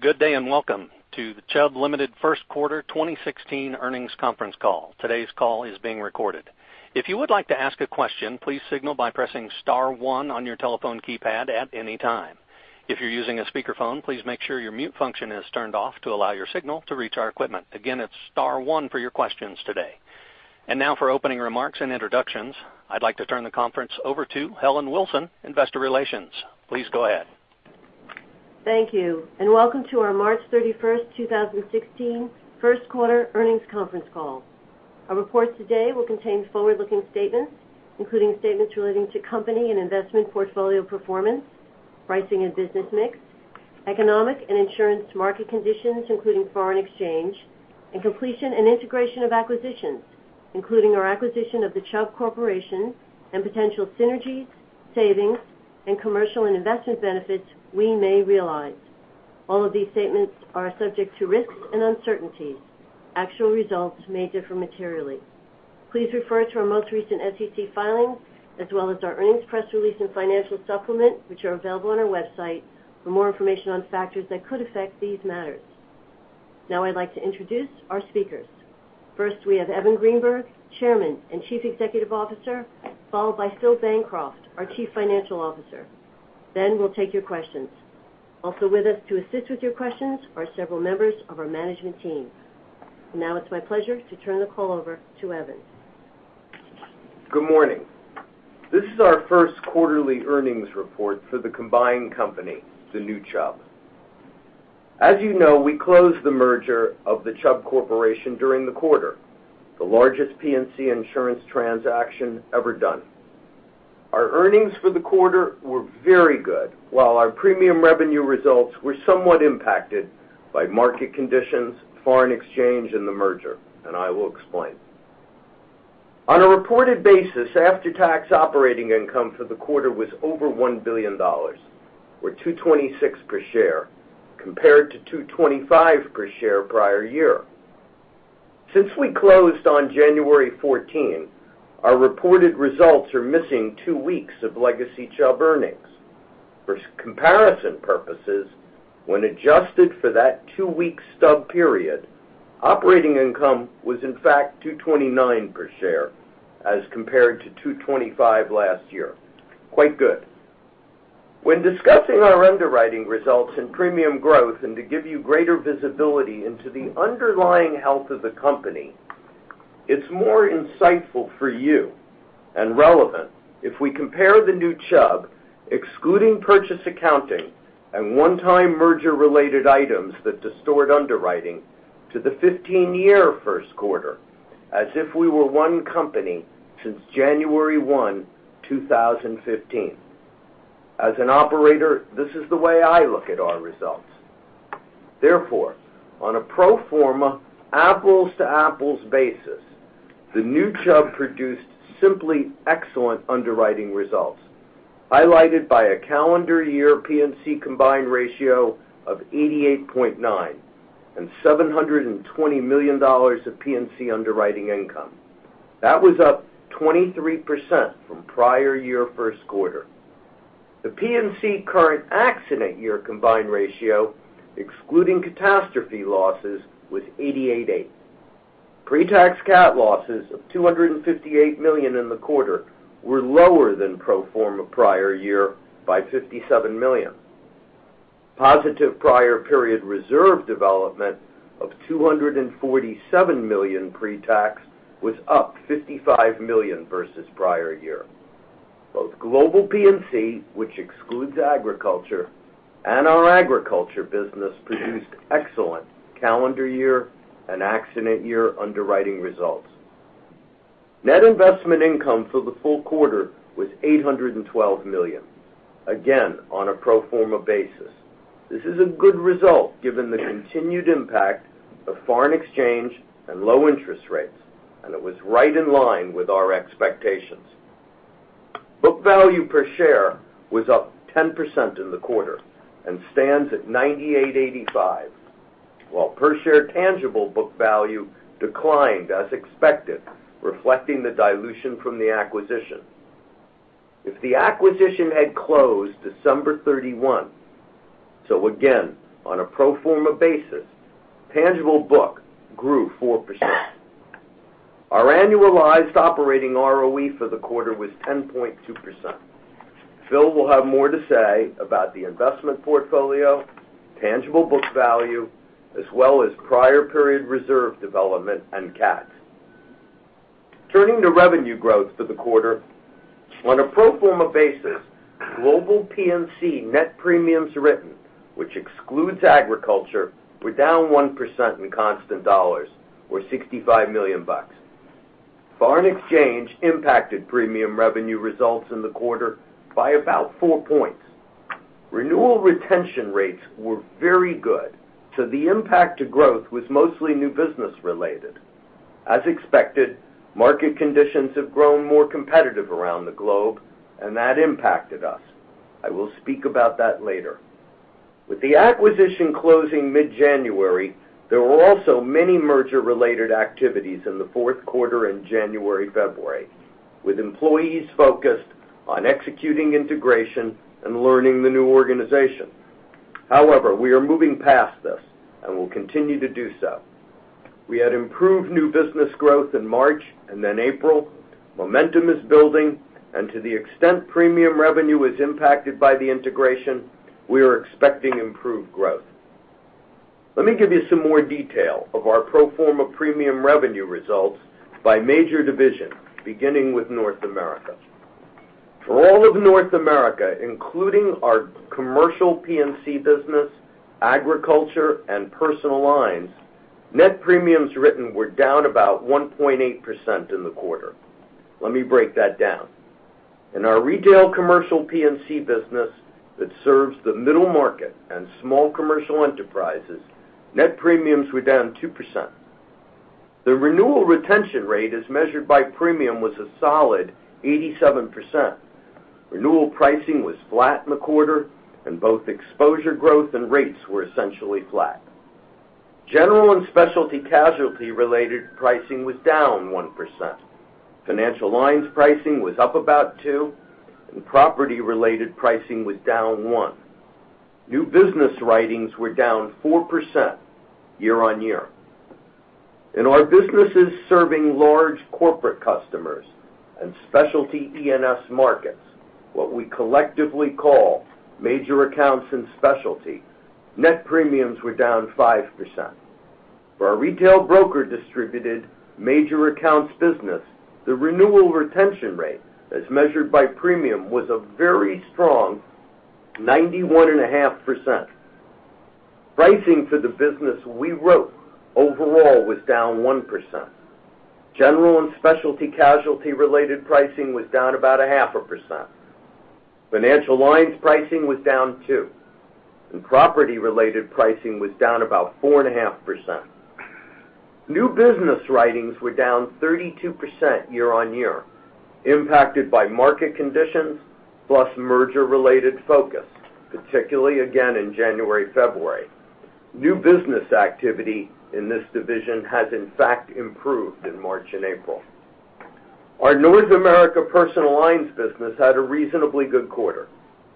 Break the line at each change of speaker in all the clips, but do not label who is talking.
Good day. Welcome to the Chubb Limited first quarter 2016 earnings conference call. Today's call is being recorded. If you would like to ask a question, please signal by pressing star one on your telephone keypad at any time. If you're using a speakerphone, please make sure your mute function is turned off to allow your signal to reach our equipment. Again, it's star one for your questions today. Now for opening remarks and introductions, I'd like to turn the conference over to Helen Wilson, Investor Relations. Please go ahead.
Thank you. Welcome to our March 31st, 2016 first quarter earnings conference call. Our report today will contain forward-looking statements, including statements relating to company and investment portfolio performance, pricing and business mix, economic and insurance market conditions, including foreign exchange, and completion and integration of acquisitions, including our acquisition of the Chubb Corporation and potential synergies, savings, and commercial and investment benefits we may realize. All of these statements are subject to risks and uncertainties. Actual results may differ materially. Please refer to our most recent SEC filings, as well as our earnings press release and financial supplement, which are available on our website, for more information on factors that could affect these matters. Now I'd like to introduce our speakers. First, we have Evan Greenberg, Chairman and Chief Executive Officer, followed by Philip Bancroft, our Chief Financial Officer. We'll take your questions. Also with us to assist with your questions are several members of our management team. Now it's my pleasure to turn the call over to Evan.
Good morning. This is our first quarterly earnings report for the combined company, the new Chubb. As you know, we closed the merger of the Chubb Corporation during the quarter, the largest P&C insurance transaction ever done. Our earnings for the quarter were very good, while our premium revenue results were somewhat impacted by market conditions, foreign exchange, and the merger, and I will explain. On a reported basis, after-tax operating income for the quarter was over $1 billion, or $2.26 per share, compared to $2.25 per share prior year. Since we closed on January 14, our reported results are missing two weeks of legacy Chubb earnings. For comparison purposes, when adjusted for that two-week stub period, operating income was in fact $2.29 per share as compared to $2.25 last year. Quite good. When discussing our underwriting results and premium growth, and to give you greater visibility into the underlying health of the company, it's more insightful for you and relevant if we compare the new Chubb, excluding purchase accounting and one-time merger-related items that distort underwriting, to the 2015 first quarter, as if we were one company since January 1, 2015. As an operator, this is the way I look at our results. Therefore, on a pro forma apples-to-apples basis, the new Chubb produced simply excellent underwriting results, highlighted by a calendar year P&C combined ratio of 88.9 and $720 million of P&C underwriting income. That was up 23% from prior year first quarter. The P&C current accident year combined ratio, excluding catastrophe losses, was 88.8. Pre-tax cat losses of $258 million in the quarter were lower than pro forma prior year by $57 million. Positive prior period reserve development of $247 million pre-tax was up $55 million versus prior year. Both global P&C, which excludes agriculture, and our agriculture business produced excellent calendar year and accident year underwriting results. Net investment income for the full quarter was $812 million, again, on a pro forma basis. This is a good result given the continued impact of foreign exchange and low interest rates, and it was right in line with our expectations. Book value per share was up 10% in the quarter and stands at $98.85, while per share tangible book value declined as expected, reflecting the dilution from the acquisition. If the acquisition had closed December 31, so again, on a pro forma basis, tangible book grew 4%. Our annualized operating ROE for the quarter was 10.2%. Phil will have more to say about the investment portfolio, tangible book value, as well as prior period reserve development and cat. Turning to revenue growth for the quarter, on a pro forma basis, global P&C net premiums written, which excludes agriculture, were down 1% in constant dollars or $65 million. Foreign exchange impacted premium revenue results in the quarter by about 4 points. Renewal retention rates were very good, so the impact to growth was mostly new business related. As expected, market conditions have grown more competitive around the globe, and that impacted us. I will speak about that later. With the acquisition closing mid-January, there were also many merger-related activities in the fourth quarter and January, February. With employees focused on executing integration and learning the new organization. However, we are moving past this and will continue to do so. We had improved new business growth in March and then April. Momentum is building, and to the extent premium revenue is impacted by the integration, we are expecting improved growth. Let me give you some more detail of our pro forma premium revenue results by major division, beginning with North America. For all of North America, including our commercial P&C business, agriculture, and personal lines, net premiums written were down about 1.8% in the quarter. Let me break that down. In our retail commercial P&C business that serves the middle market and small commercial enterprises, net premiums were down 2%. The renewal retention rate, as measured by premium, was a solid 87%. Renewal pricing was flat in the quarter, and both exposure growth and rates were essentially flat. General and specialty casualty related pricing was down 1%. Financial lines pricing was up about 2%, and property-related pricing was down 1%. New business writings were down 4% year-on-year. In our businesses serving large corporate customers and specialty E&S markets, what we collectively call major accounts and specialty, net premiums were down 5%. For our retail broker-distributed major accounts business, the renewal retention rate, as measured by premium, was a very strong 91.5%. Pricing for the business we wrote overall was down 1%. General and specialty casualty-related pricing was down about 0.5%. Financial lines pricing was down 2%, and property-related pricing was down about 4.5%. New business writings were down 32% year-on-year, impacted by market conditions plus merger-related focus, particularly again in January, February. New business activity in this division has in fact improved in March and April. Our North America personal lines business had a reasonably good quarter,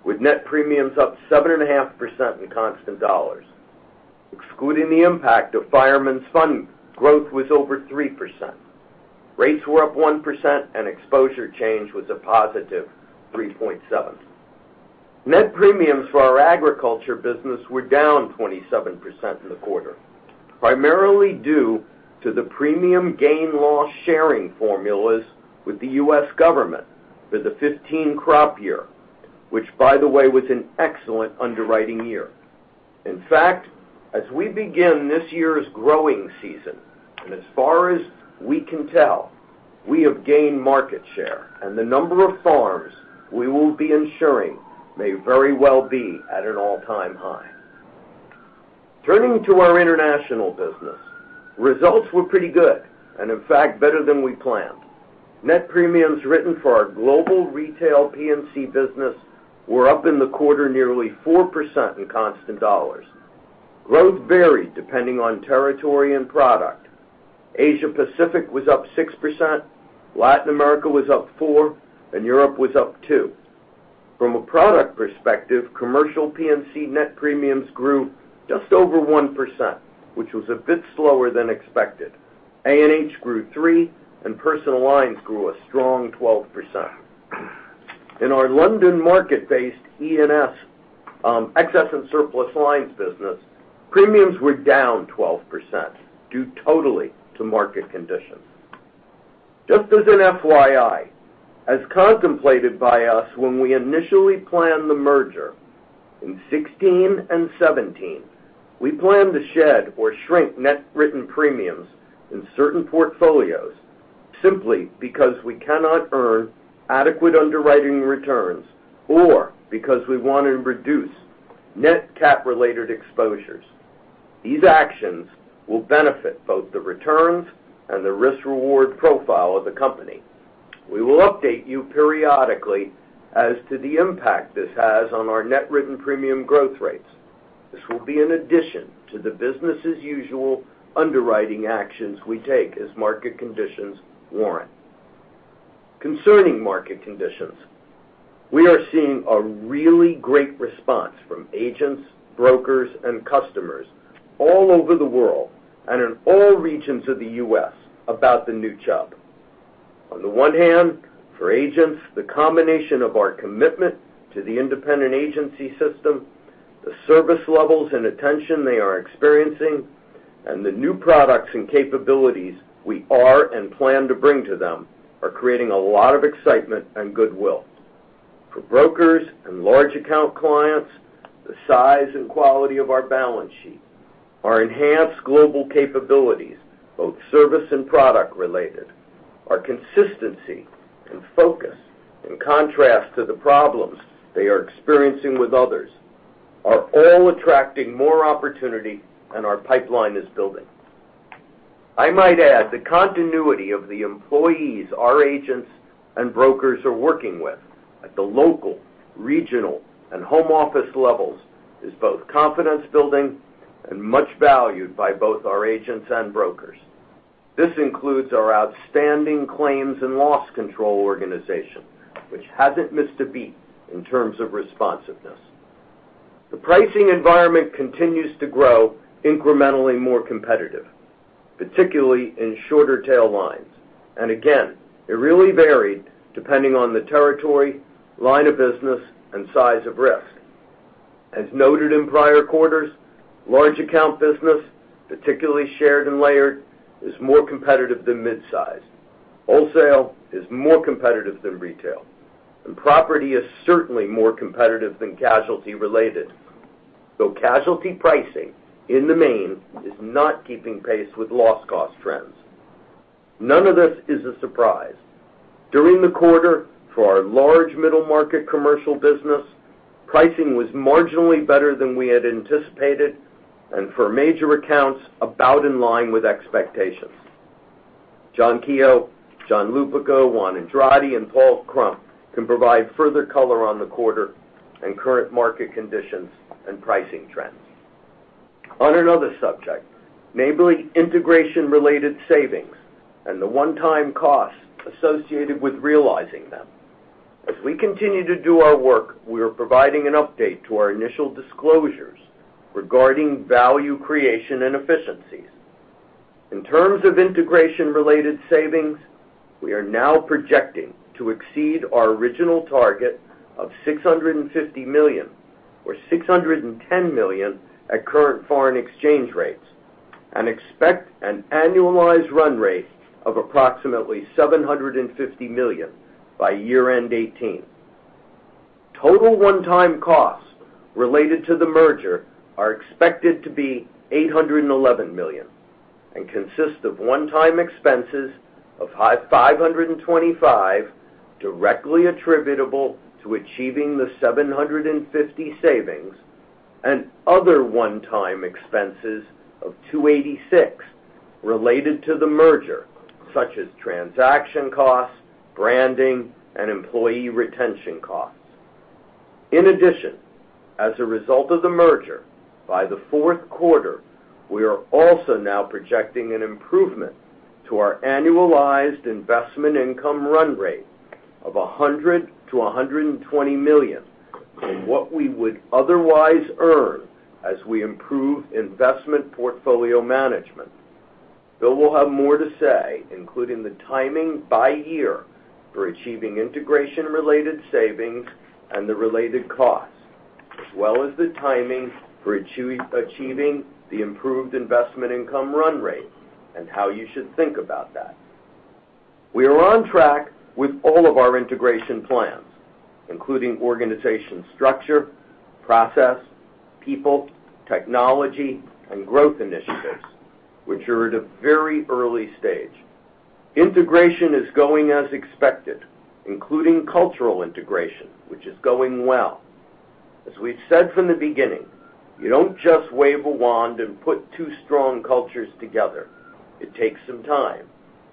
with net premiums up 7.5% in constant dollars. Excluding the impact of Fireman's Fund, growth was over 3%. Rates were up 1%, and exposure change was a positive 3.7%. Net premiums for our agriculture business were down 27% in the quarter, primarily due to the premium gain loss sharing formulas with the U.S. government for the 2015 crop year, which by the way, was an excellent underwriting year. In fact, as we begin this year's growing season, and as far as we can tell, we have gained market share, and the number of farms we will be insuring may very well be at an all-time high. Turning to our international business, results were pretty good and in fact, better than we planned. Net premiums written for our global retail P&C business were up in the quarter nearly 4% in constant dollars. Growth varied depending on territory and product. Asia Pacific was up 6%, Latin America was up 4%, and Europe was up 2%. From a product perspective, commercial P&C net premiums grew just over 1%, which was a bit slower than expected. A&H grew 3%, and Personal Lines grew a strong 12%. In our London market-based E&S, excess and surplus lines business, premiums were down 12%, due totally to market conditions. Just as an FYI, as contemplated by us when we initially planned the merger in 2016 and 2017, we plan to shed or shrink net written premiums in certain portfolios simply because we cannot earn adequate underwriting returns or because we want to reduce net cat-related exposures. These actions will benefit both the returns and the risk-reward profile of the company. We will update you periodically as to the impact this has on our net written premium growth rates. This will be in addition to the business-as-usual underwriting actions we take as market conditions warrant. Concerning market conditions, we are seeing a really great response from agents, brokers, and customers all over the world and in all regions of the U.S. about the new Chubb. On the one hand, for agents, the combination of our commitment to the independent agency system, the service levels and attention they are experiencing, and the new products and capabilities we are and plan to bring to them are creating a lot of excitement and goodwill. For brokers and large account clients, the size and quality of our balance sheet, our enhanced global capabilities, both service and product related, our consistency and focus, in contrast to the problems they are experiencing with others, are all attracting more opportunity and our pipeline is building. I might add the continuity of the employees our agents and brokers are working with at the local, regional, and home office levels is both confidence building and much valued by both our agents and brokers. This includes our outstanding claims and loss control organization, which hasn't missed a beat in terms of responsiveness. The pricing environment continues to grow incrementally more competitive, particularly in shorter tail lines. Again, it really varied depending on the territory, line of business, and size of risk. As noted in prior quarters, large account business, particularly shared and layered, is more competitive than mid-size. Wholesale is more competitive than retail, and property is certainly more competitive than casualty related. Though casualty pricing, in the main, is not keeping pace with loss cost trends. None of this is a surprise. During the quarter, for our large middle market commercial business, pricing was marginally better than we had anticipated, and for major accounts, about in line with expectations. John Keogh, John Lupica, Juan Andrade, and Paul Crump can provide further color on the quarter and current market conditions and pricing trends. On another subject, namely integration-related savings and the one-time costs associated with realizing them. As we continue to do our work, we are providing an update to our initial disclosures regarding value creation and efficiencies. In terms of integration-related savings, we are now projecting to exceed our original target of $650 million or $610 million at current foreign exchange rates and expect an annualized run rate of approximately $750 million by year-end 2018. Total one-time costs related to the merger are expected to be $811 million and consist of one-time expenses of $525 million directly attributable to achieving the $750 million savings and other one-time expenses of $286 million related to the merger, such as transaction costs, branding, and employee retention costs. In addition, as a result of the merger, by the fourth quarter, we are also now projecting an improvement to our annualized investment income run rate of $100 million-$120 million from what we would otherwise earn as we improve investment portfolio management. Phil will have more to say, including the timing by year for achieving integration-related savings and the related costs, as well as the timing for achieving the improved investment income run rate and how you should think about that. We are on track with all of our integration plans, including organization structure, process, people, technology, and growth initiatives, which are at a very early stage. Integration is going as expected, including cultural integration, which is going well. As we've said from the beginning, you don't just wave a wand and put two strong cultures together. It takes some time.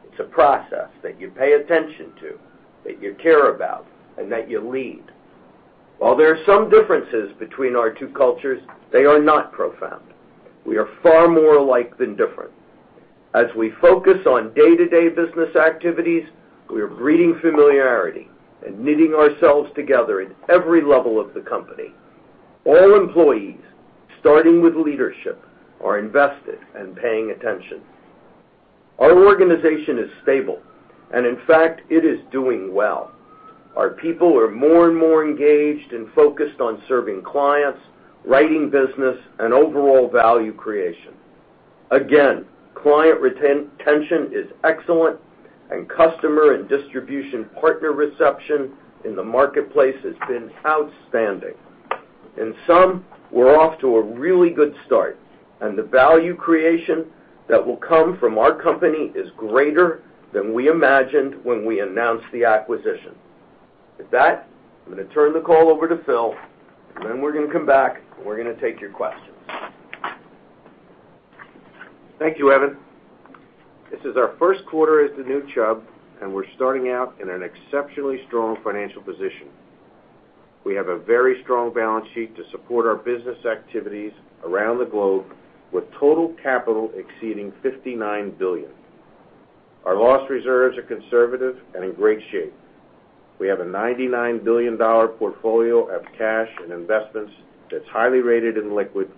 It's a process that you pay attention to, that you care about, and that you lead. While there are some differences between our two cultures, they are not profound. We are far more alike than different. As we focus on day-to-day business activities, we are breeding familiarity and knitting ourselves together at every level of the company. All employees, starting with leadership, are invested and paying attention. Our organization is stable and in fact, it is doing well. Our people are more and more engaged and focused on serving clients, writing business and overall value creation. Client retention is excellent and customer and distribution partner reception in the marketplace has been outstanding. In sum, we're off to a really good start, the value creation that will come from our company is greater than we imagined when we announced the acquisition. With that, I'm going to turn the call over to Phil, then we're going to come back, we're going to take your questions.
Thank you, Evan. This is our first quarter as the new Chubb, we're starting out in an exceptionally strong financial position. We have a very strong balance sheet to support our business activities around the globe with total capital exceeding $59 billion. Our loss reserves are conservative and in great shape. We have a $99 billion portfolio of cash and investments that's highly rated and liquid,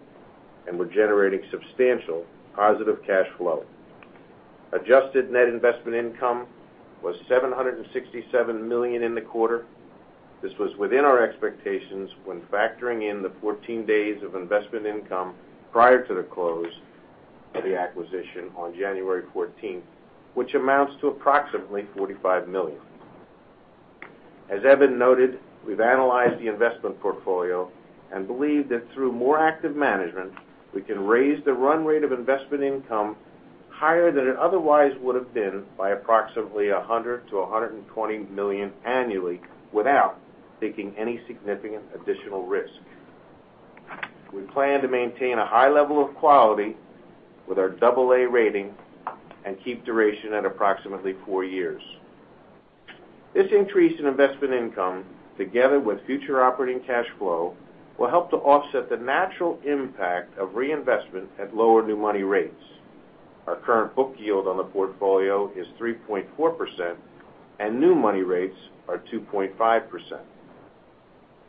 we're generating substantial positive cash flow. Adjusted net investment income was $767 million in the quarter. This was within our expectations when factoring in the 14 days of investment income prior to the close of the acquisition on January 14th, which amounts to approximately $45 million. As Evan noted, we've analyzed the investment portfolio believe that through more active management, we can raise the run rate of investment income higher than it otherwise would have been by approximately $100 million-$120 million annually without taking any significant additional risk. We plan to maintain a high level of quality with our AA rating and keep duration at approximately four years. This increase in investment income, together with future operating cash flow, will help to offset the natural impact of reinvestment at lower new money rates. Our current book yield on the portfolio is 3.4%, new money rates are 2.5%.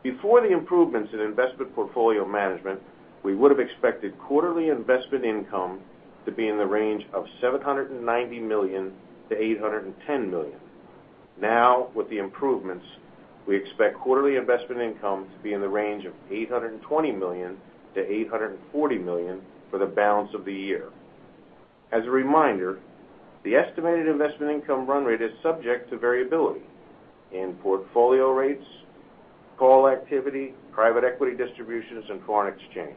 Before the improvements in investment portfolio management, we would have expected quarterly investment income to be in the range of $790 million-$810 million. With the improvements, we expect quarterly investment income to be in the range of $820 million-$840 million for the balance of the year. As a reminder, the estimated investment income run rate is subject to variability in portfolio rates, call activity, private equity distributions, foreign exchange.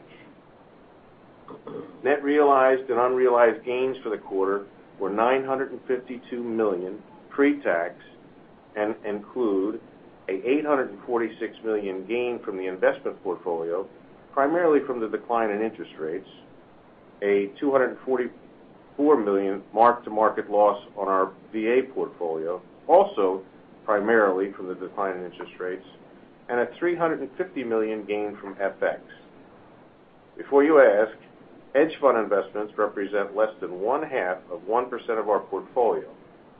Net realized and unrealized gains for the quarter were $952 million pre-tax include an $846 million gain from the investment portfolio, primarily from the decline in interest rates, a $244 million mark-to-market loss on our VA portfolio, also primarily from the decline in interest rates, a $350 million gain from FX. Before you ask, hedge fund investments represent less than one-half of 1% of our portfolio.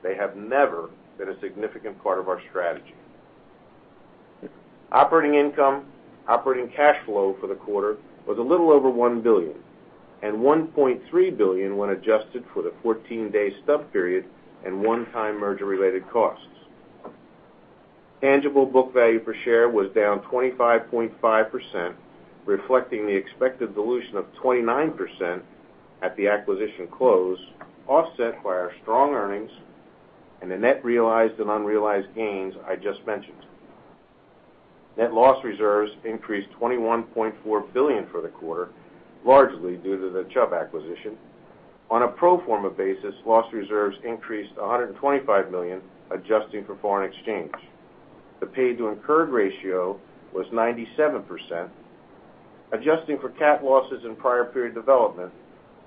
They have never been a significant part of our strategy. Operating income, operating cash flow for the quarter was a little over $1 billion, and $1.3 billion when adjusted for the 14-day stub period and one-time merger related costs. Tangible book value per share was down 25.5%, reflecting the expected dilution of 29% at the acquisition close, offset by our strong earnings and the net realized and unrealized gains I just mentioned. Net loss reserves increased to $21.4 billion for the quarter, largely due to the Chubb acquisition. On a pro forma basis, loss reserves increased to $125 million, adjusting for foreign exchange. The paid to incurred ratio was 97%. Adjusting for cat losses in prior period development,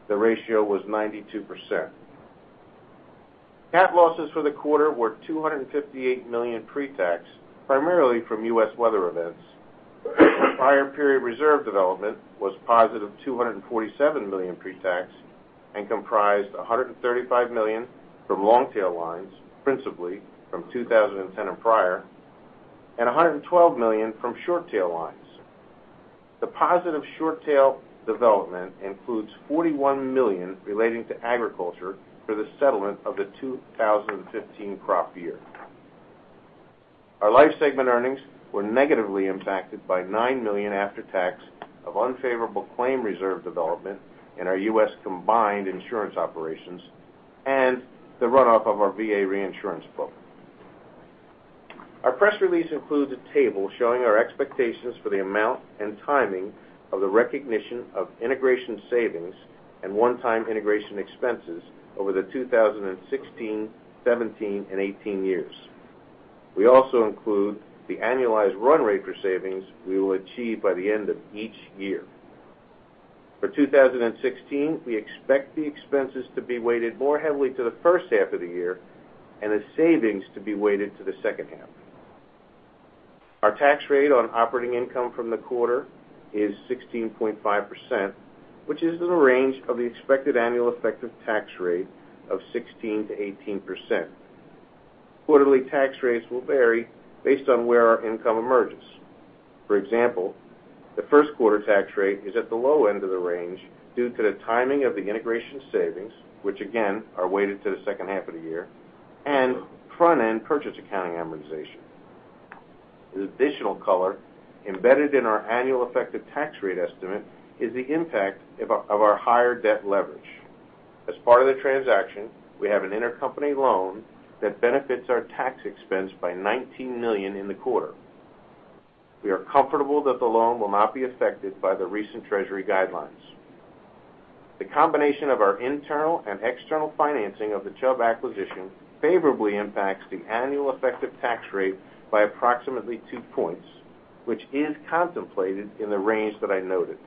the ratio was 92%. Cat losses for the quarter were $258 million pre-tax, primarily from U.S. weather events. Prior period reserve development was positive $247 million pre-tax and comprised $135 million from long-tail lines, principally from 2010 and prior, and $112 million from short-tail lines. The positive short tail development includes $41 million relating to agriculture for the settlement of the 2015 crop year. Our life segment earnings were negatively impacted by $9 million after tax of unfavorable claim reserve development in our U.S. combined insurance operations and the runoff of our VA reinsurance book. Our press release includes a table showing our expectations for the amount and timing of the recognition of integration savings and one-time integration expenses over the 2016, 2017, and 2018 years. We also include the annualized run rate for savings we will achieve by the end of each year. For 2016, we expect the expenses to be weighted more heavily to the first half of the year, and the savings to be weighted to the second half. Our tax rate on operating income from the quarter is 16.5%, which is in the range of the expected annual effective tax rate of 16%-18%. Quarterly tax rates will vary based on where our income emerges. For example, the first quarter tax rate is at the low end of the range due to the timing of the integration savings, which again, are weighted to the second half of the year, and front-end purchase accounting amortization. As additional color, embedded in our annual effective tax rate estimate is the impact of our higher debt leverage. As part of the transaction, we have an intercompany loan that benefits our tax expense by $19 million in the quarter. We are comfortable that the loan will not be affected by the recent Treasury guidelines. The combination of our internal and external financing of the Chubb acquisition favorably impacts the annual effective tax rate by approximately two points, which is contemplated in the range that I noted.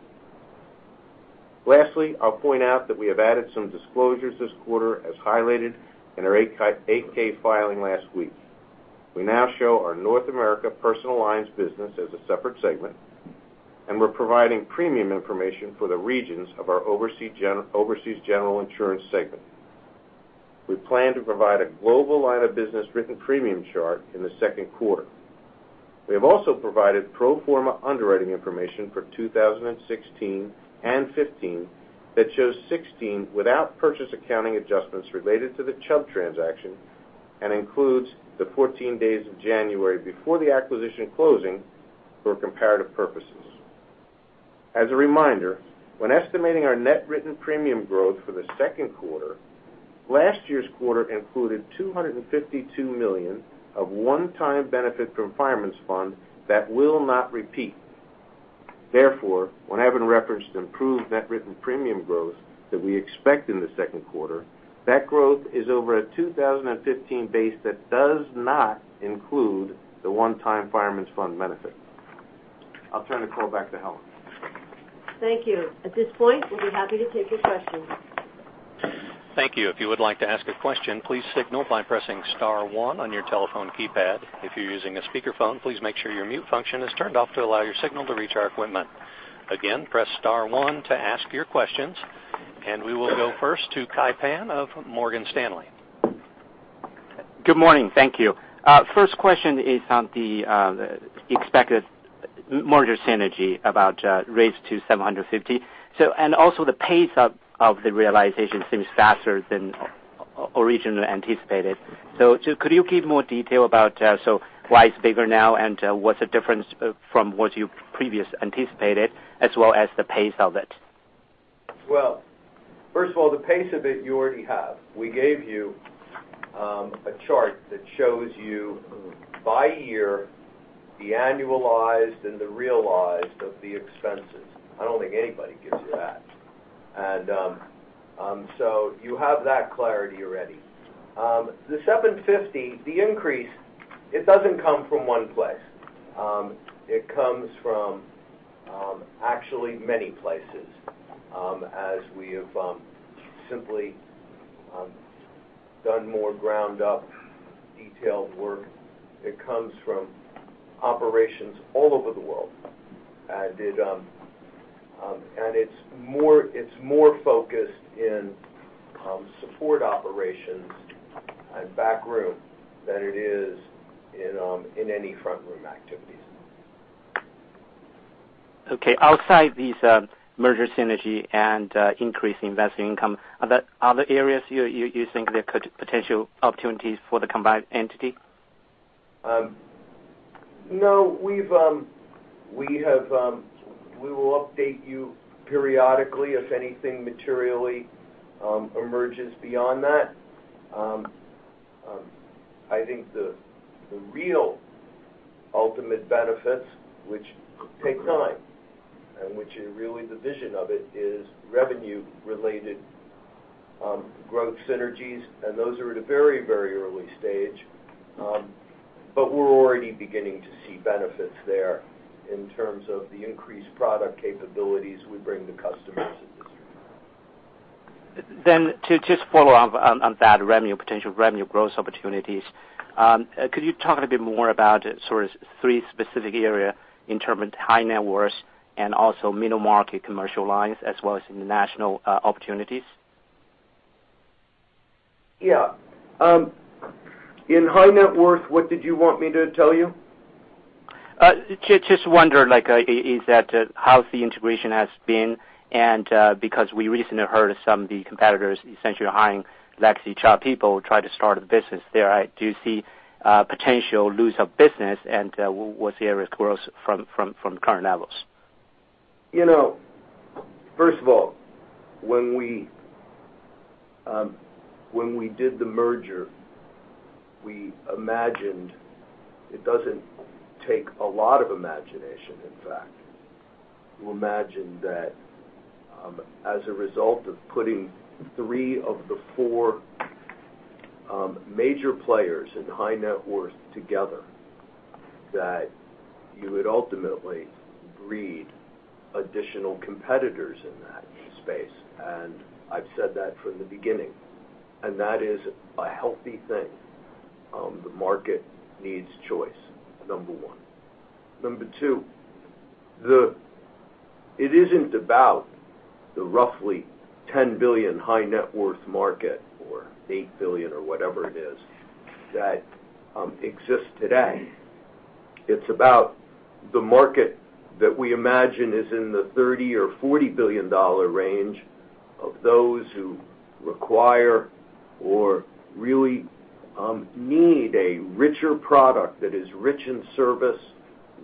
Lastly, I'll point out that we have added some disclosures this quarter as highlighted in our 8-K filing last week. We now show our North America personal lines business as a separate segment, and we're providing premium information for the regions of our Overseas General Insurance segment. We plan to provide a global line of business written premium chart in the second quarter. We have also provided pro forma underwriting information for 2016 and 2015 that shows 2016 without purchase accounting adjustments related to the Chubb transaction and includes the 14 days of January before the acquisition closing for comparative purposes. As a reminder, when estimating our net written premium growth for the second quarter, last year's quarter included $252 million of one-time benefit from Fireman's Fund that will not repeat. Therefore, when Evan referenced improved net written premium growth that we expect in the second quarter, that growth is over a 2015 base that does not include the one-time Fireman's Fund benefit. I'll turn the call back to Helen.
Thank you. At this point, we'll be happy to take your questions.
Thank you. If you would like to ask a question, please signal by pressing star one on your telephone keypad. If you're using a speakerphone, please make sure your mute function is turned off to allow your signal to reach our equipment. Again, press star one to ask your questions. We will go first to Kai Pan of Morgan Stanley.
Good morning. Thank you. First question is on the expected merger synergy about raise to 750. Also, the pace of the realization seems faster than originally anticipated. Could you give more detail about why it's bigger now, and what's the difference from what you previously anticipated as well as the pace of it?
Well, first of all, the pace of it you already have. We gave you a chart that shows you by year the annualized and the realized of the expenses. I don't think anybody gives you that. So you have that clarity already. The $750, the increase, it doesn't come from one place. It comes from actually many places, as we have simply done more ground-up detailed work. It comes from operations all over the world. It's more focused in support operations and back room than it is in any front-room activities.
Okay. Outside these merger synergy and increased investment income, are there other areas you think there could potential opportunities for the combined entity?
No. We will update you periodically if anything materially emerges beyond that. I think the real ultimate benefits, which take time, and which is really the vision of it, is revenue related growth synergies, and those are at a very, very early stage. We're already beginning to see benefits there in terms of the increased product capabilities we bring to customers at this point.
To just follow up on that potential revenue growth opportunities, could you talk a bit more about sort of three specific area in terms of high net worth and also middle market commercial lines as well as international opportunities?
Yeah. In high net worth, what did you want me to tell you?
I just wonder how the integration has been because we recently heard some of the competitors essentially hiring legacy Chubb people try to start a business there. Do you see a potential loss of business and what's the area of growth from the current levels?
First of all, when we did the merger, we imagined it doesn't take a lot of imagination, in fact, to imagine that as a result of putting three of the four major players in high net worth together, that you would ultimately breed additional competitors in that space. I've said that from the beginning. That is a healthy thing. The market needs choice, number one. Number two, it isn't about the roughly $10 billion high net worth market or $8 billion or whatever it is that exists today. It's about the market that we imagine is in the $30 billion or $40 billion range of those who require or really need a richer product that is rich in service,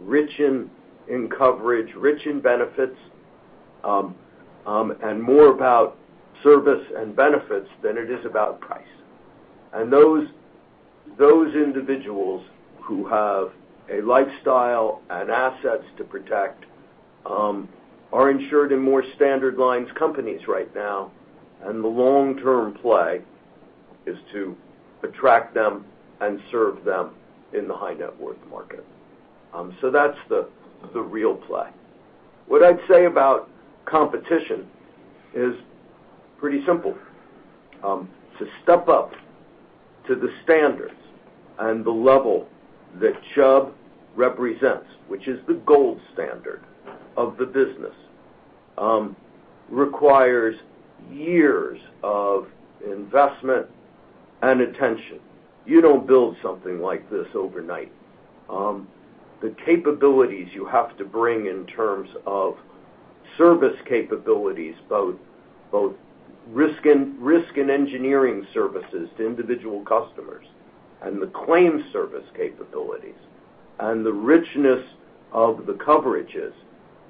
rich in coverage, rich in benefits, and more about service and benefits than it is about price. Those individuals who have a lifestyle and assets to protect are insured in more standard lines companies right now, and the long-term play is to attract them and serve them in the high net worth market. That's the real play. What I'd say about competition is pretty simple. To step up to the standards and the level that Chubb represents, which is the gold standard of the business, requires years of investment and attention. You don't build something like this overnight. The capabilities you have to bring in terms of service capabilities, both risk and engineering services to individual customers and the claim service capabilities and the richness of the coverages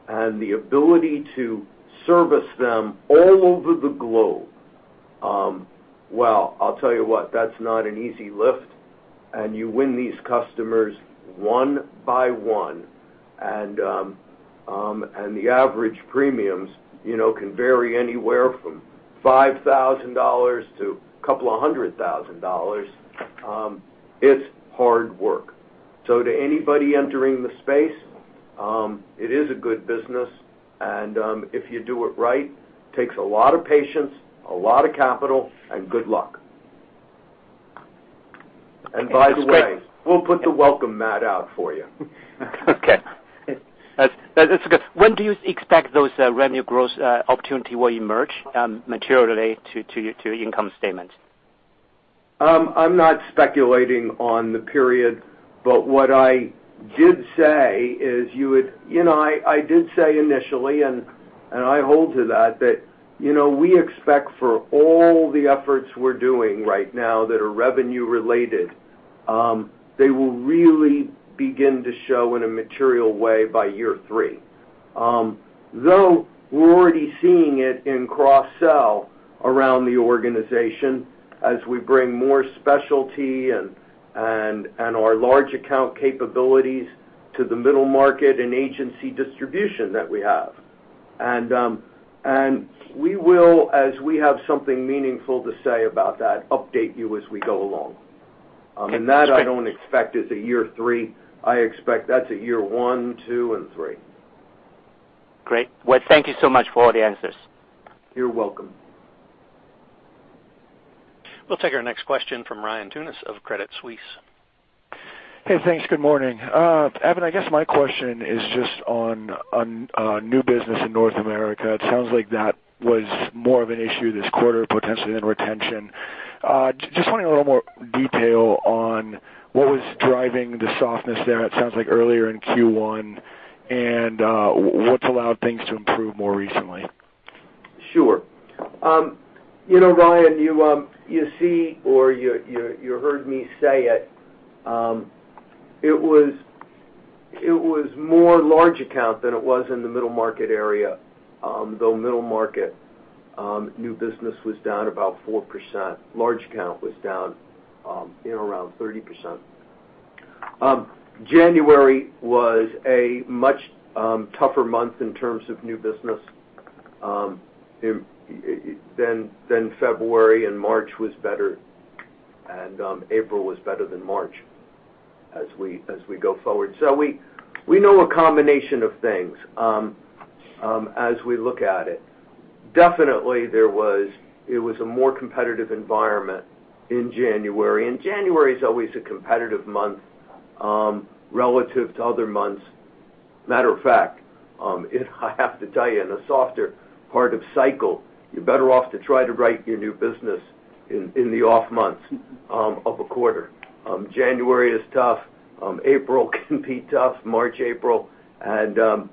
and the ability to service them all over the globe, well, I'll tell you what, that's not an easy lift, and you win these customers one by one. The average premiums can vary anywhere from $5,000. A couple of hundred thousand dollars. It's hard work. To anybody entering the space, it is a good business, and if you do it right, it takes a lot of patience, a lot of capital, and good luck. By the way, we'll put the welcome mat out for you.
Okay. That's good. When do you expect those revenue growth opportunity will emerge materially to your income statement?
I'm not speculating on the period. What I did say is, I did say initially, and I hold to that we expect for all the efforts we're doing right now that are revenue related, they will really begin to show in a material way by year three. Though we're already seeing it in cross-sell around the organization as we bring more specialty and our large account capabilities to the middle market and agency distribution that we have. We will, as we have something meaningful to say about that, update you as we go along. That I don't expect as a year three. I expect that's a year one, two, and three.
Great. Well, thank you so much for all the answers.
You're welcome.
We'll take our next question from Ryan Tunis of Credit Suisse.
Hey, thanks. Good morning. Evan, I guess my question is just on new business in North America. It sounds like that was more of an issue this quarter potentially than retention. Just wanting a little more detail on what was driving the softness there. It sounds like earlier in Q1. What's allowed things to improve more recently?
Sure. Ryan, you see, or you heard me say it was more large account than it was in the middle market area, though middle market new business was down about 4%. Large account was down around 30%. January was a much tougher month in terms of new business than February, and March was better, and April was better than March as we go forward. We know a combination of things as we look at it. Definitely, it was a more competitive environment in January, and January is always a competitive month relative to other months. Matter of fact, I have to tell you, in a softer part of cycle, you're better off to try to write your new business in the off months of a quarter. January is tough. April can be tough, March, April. June,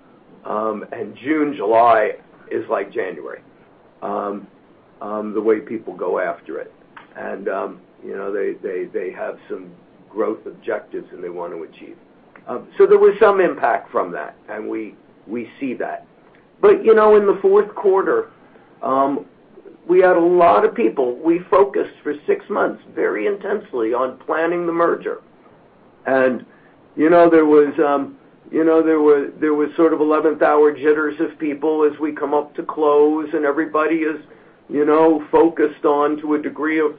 July is like January, the way people go after it. They have some growth objectives that they want to achieve. There was some impact from that, and we see that. In the fourth quarter, we had a lot of people. We focused for six months very intensely on planning the merger. There was sort of 11th hour jitters of people as we come up to close, and everybody is focused on, to a degree of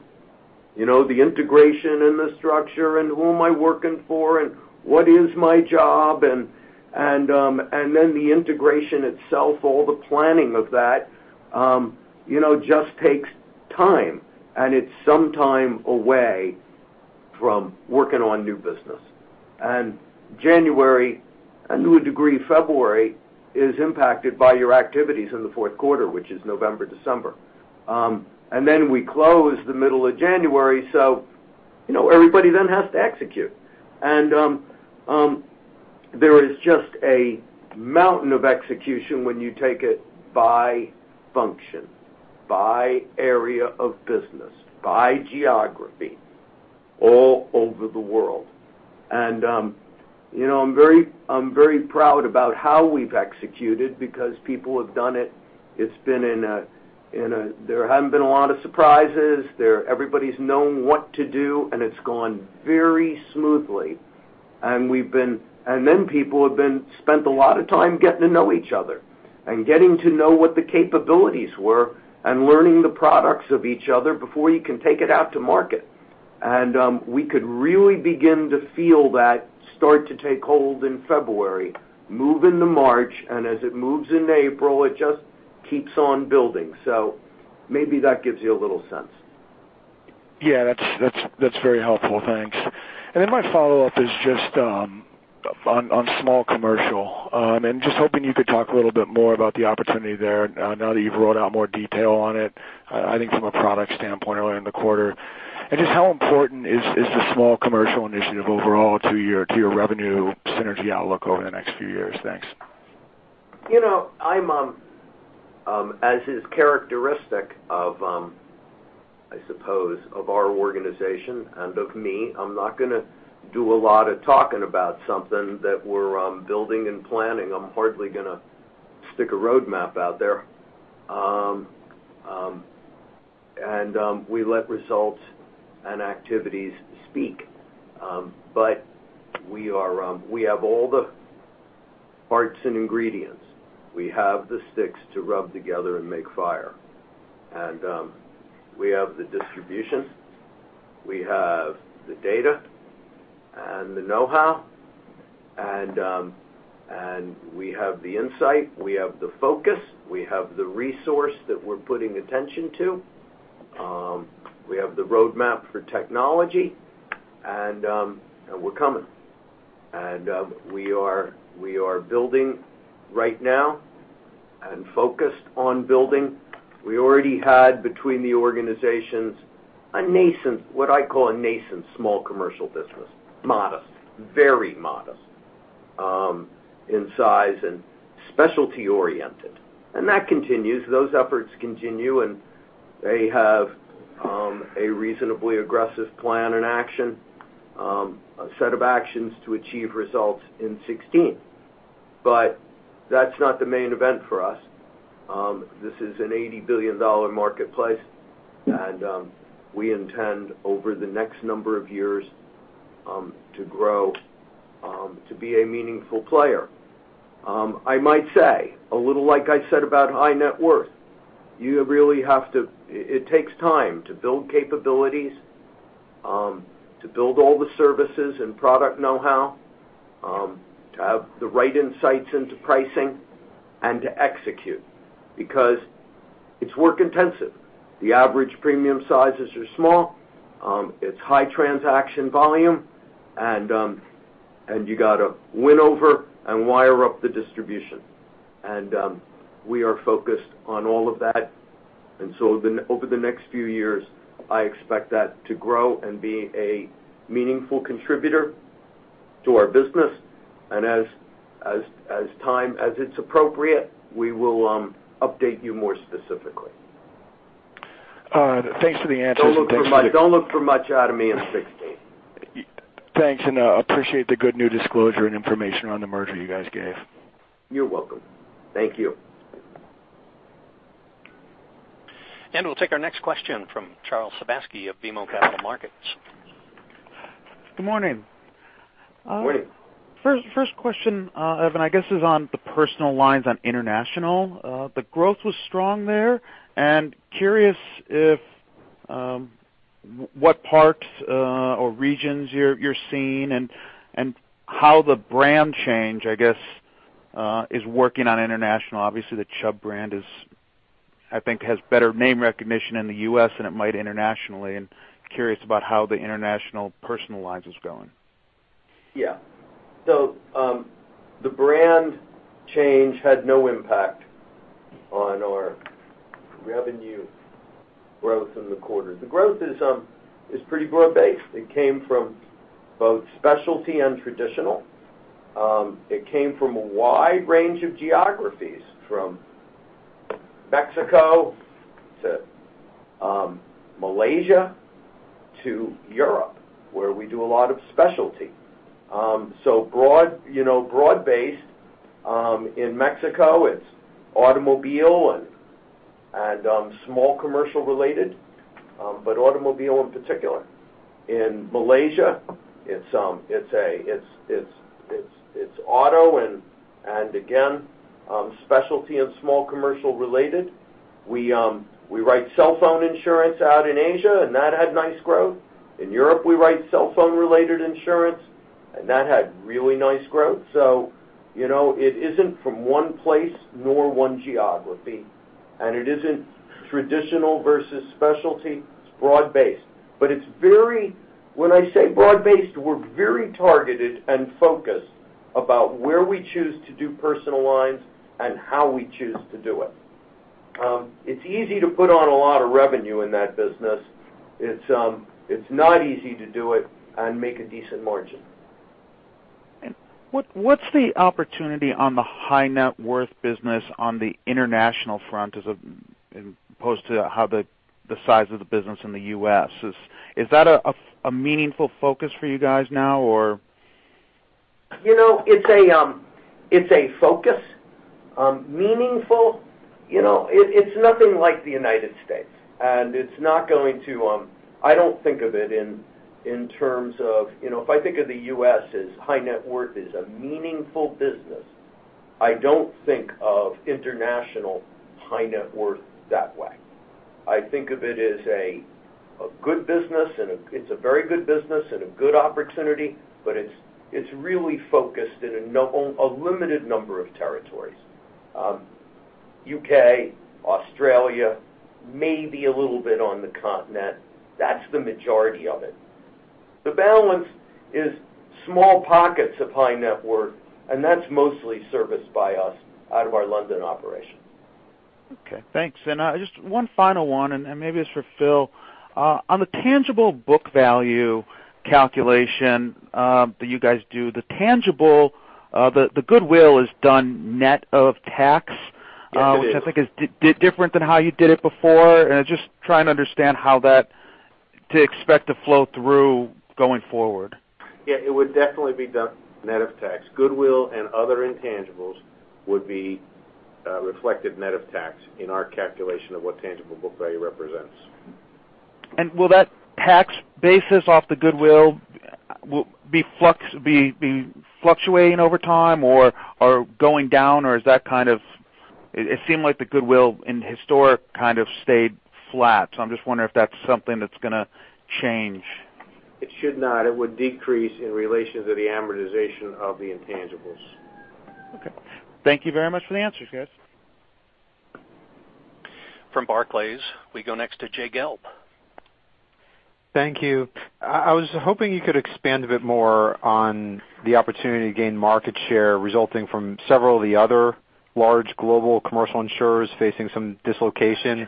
the integration and the structure, and who am I working for, and what is my job. The integration itself, all the planning of that, just takes time, and it's some time away from working on new business. January, and to a degree, February, is impacted by your activities in the fourth quarter, which is November, December. We close the middle of January, so everybody then has to execute. There is just a mountain of execution when you take it by function, by area of business, by geography, all over the world. I'm very proud about how we've executed because people have done it. There haven't been a lot of surprises. Everybody's known what to do, and it's gone very smoothly. People have then spent a lot of time getting to know each other and getting to know what the capabilities were and learning the products of each other before you can take it out to market. We could really begin to feel that start to take hold in February, move into March, and as it moves into April, it just keeps on building. Maybe that gives you a little sense.
Yeah. That's very helpful. Thanks. My follow-up is just on Small Commercial. Just hoping you could talk a little bit more about the opportunity there now that you've rolled out more detail on it, I think from a product standpoint earlier in the quarter. Just how important is the Small Commercial initiative overall to your revenue synergy outlook over the next few years? Thanks.
As is characteristic of, I suppose, of our organization and of me, I'm not going to do a lot of talking about something that we're building and planning. I'm hardly going to stick a roadmap out there. We let results and activities speak. We have all the parts and ingredients. We have the sticks to rub together and make fire. We have the distribution, we have the data and the know-how, and we have the insight, we have the focus, we have the resource that we're putting attention to, we have the roadmap for technology, and we're coming. We are building right now and focused on building. We already had, between the organizations, what I call a nascent Small Commercial business. Modest. Very modest in size and specialty oriented. That continues. Those efforts continue, and they have a reasonably aggressive plan and action, a set of actions to achieve results in 2016. That's not the main event for us. This is an $80 billion marketplace, and we intend, over the next number of years, to grow to be a meaningful player. I might say, a little like I said about high net worth, it takes time to build capabilities, to build all the services and product know-how, to have the right insights into pricing, and to execute, because it's work intensive. The average premium sizes are small. It's high transaction volume, and you got to win over and wire up the distribution. We are focused on all of that. Over the next few years, I expect that to grow and be a meaningful contributor to our business. As it's appropriate, we will update you more specifically.
Thanks for the answers and thanks for the-
Don't look for much out of me in 2016.
Thanks, I appreciate the good new disclosure and information on the merger you guys gave.
You're welcome. Thank you.
We'll take our next question from Charles Sebaski of BMO Capital Markets.
Good morning.
Morning.
First question, Evan, I guess is on the personal lines on international. The growth was strong there, and curious what parts or regions you're seeing and how the brand change, I guess, is working on international. Obviously, the Chubb brand, I think, has better name recognition in the U.S. than it might internationally, and curious about how the international personal lines is going.
The brand change had no impact on our revenue growth in the quarter. The growth is pretty broad based. It came from both specialty and traditional. It came from a wide range of geographies, from Mexico to Malaysia to Europe, where we do a lot of specialty. Broad base. In Mexico, it's automobile and small commercial related, but automobile in particular. In Malaysia, it's auto and again, specialty and small commercial related. We write cell phone insurance out in Asia, and that had nice growth. In Europe, we write cell phone related insurance, and that had really nice growth. It isn't from one place nor one geography, and it isn't traditional versus specialty. It's broad based. When I say broad based, we're very targeted and focused about where we choose to do personal lines and how we choose to do it. It's easy to put on a lot of revenue in that business. It's not easy to do it and make a decent margin.
What's the opportunity on the high net worth business on the international front as opposed to the size of the business in the U.S.? Is that a meaningful focus for you guys now, or?
It's a focus. Meaningful? It's nothing like the United States, and I don't think of it in terms of if I think of the U.S. as high net worth is a meaningful business, I don't think of international high net worth that way. I think of it as a good business, and it's a very good business and a good opportunity, but it's really focused in a limited number of territories. U.K., Australia, maybe a little bit on the continent. That's the majority of it. The balance is small pockets of high net worth, and that's mostly serviced by us out of our London operations.
Okay, thanks. Just one final one, and maybe it's for Phil. On the tangible book value calculation that you guys do, the goodwill is done net of tax-
Yes, it is.
which I think is different than how you did it before, and I'm just trying to understand how to expect to flow through going forward.
Yeah, it would definitely be done net of tax. Goodwill and other intangibles would be reflected net of tax in our calculation of what tangible book value represents.
Will that tax basis off the goodwill be fluctuating over time or going down? It seemed like the goodwill in historic kind of stayed flat, I'm just wondering if that's something that's going to change.
It should not. It would decrease in relation to the amortization of the intangibles.
Okay. Thank you very much for the answers, guys.
From Barclays, we go next to Jay Gelb.
Thank you. I was hoping you could expand a bit more on the opportunity to gain market share resulting from several of the other large global commercial insurers facing some dislocation,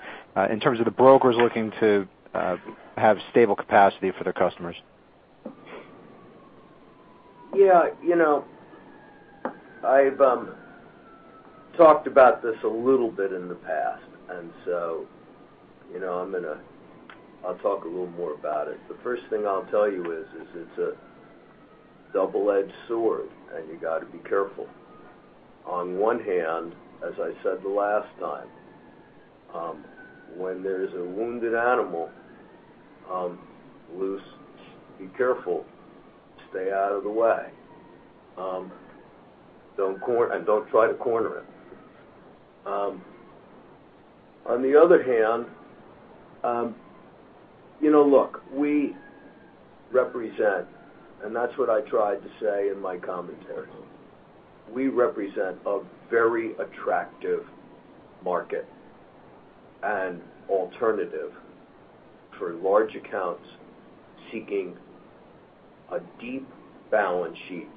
in terms of the brokers looking to have stable capacity for their customers.
Yeah. I've talked about this a little bit in the past. So I'll talk a little more about it. The first thing I'll tell you is, it's a double-edged sword, and you got to be careful. On one hand, as I said the last time, when there's a wounded animal loose, be careful. Stay out of the way. Don't try to corner it. On the other hand, look, we represent, that's what I tried to say in my commentary. We represent a very attractive market and alternative for large accounts seeking a deep balance sheet,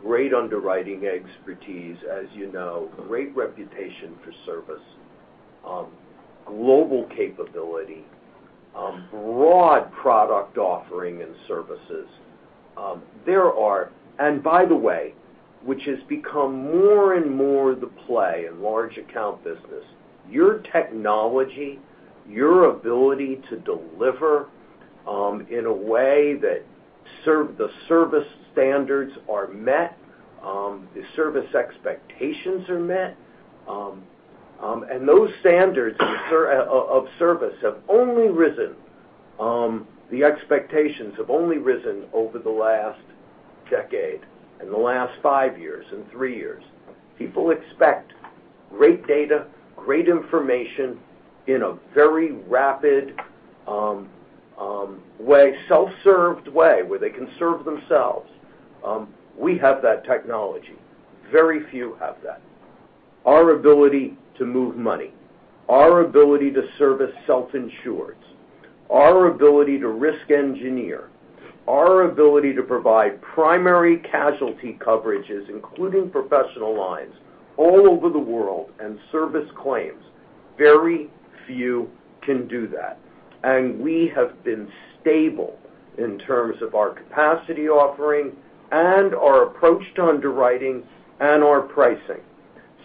great underwriting expertise, as you know, great reputation for service, global capability, broad product offering and services. By the way, which has become more and more the play in large account business, your technology, your ability to deliver in a way that the service standards are met, the service expectations are met. Those standards of service have only risen. The expectations have only risen over the last decade, in the last five years, in three years. People expect great data, great information in a very rapid way, self-served way, where they can serve themselves. We have that technology. Very few have that. Our ability to move money, our ability to service self-insurers, our ability to risk engineer, our ability to provide primary casualty coverages, including professional lines all over the world, and service claims, very few can do that. We have been stable in terms of our capacity offering and our approach to underwriting and our pricing.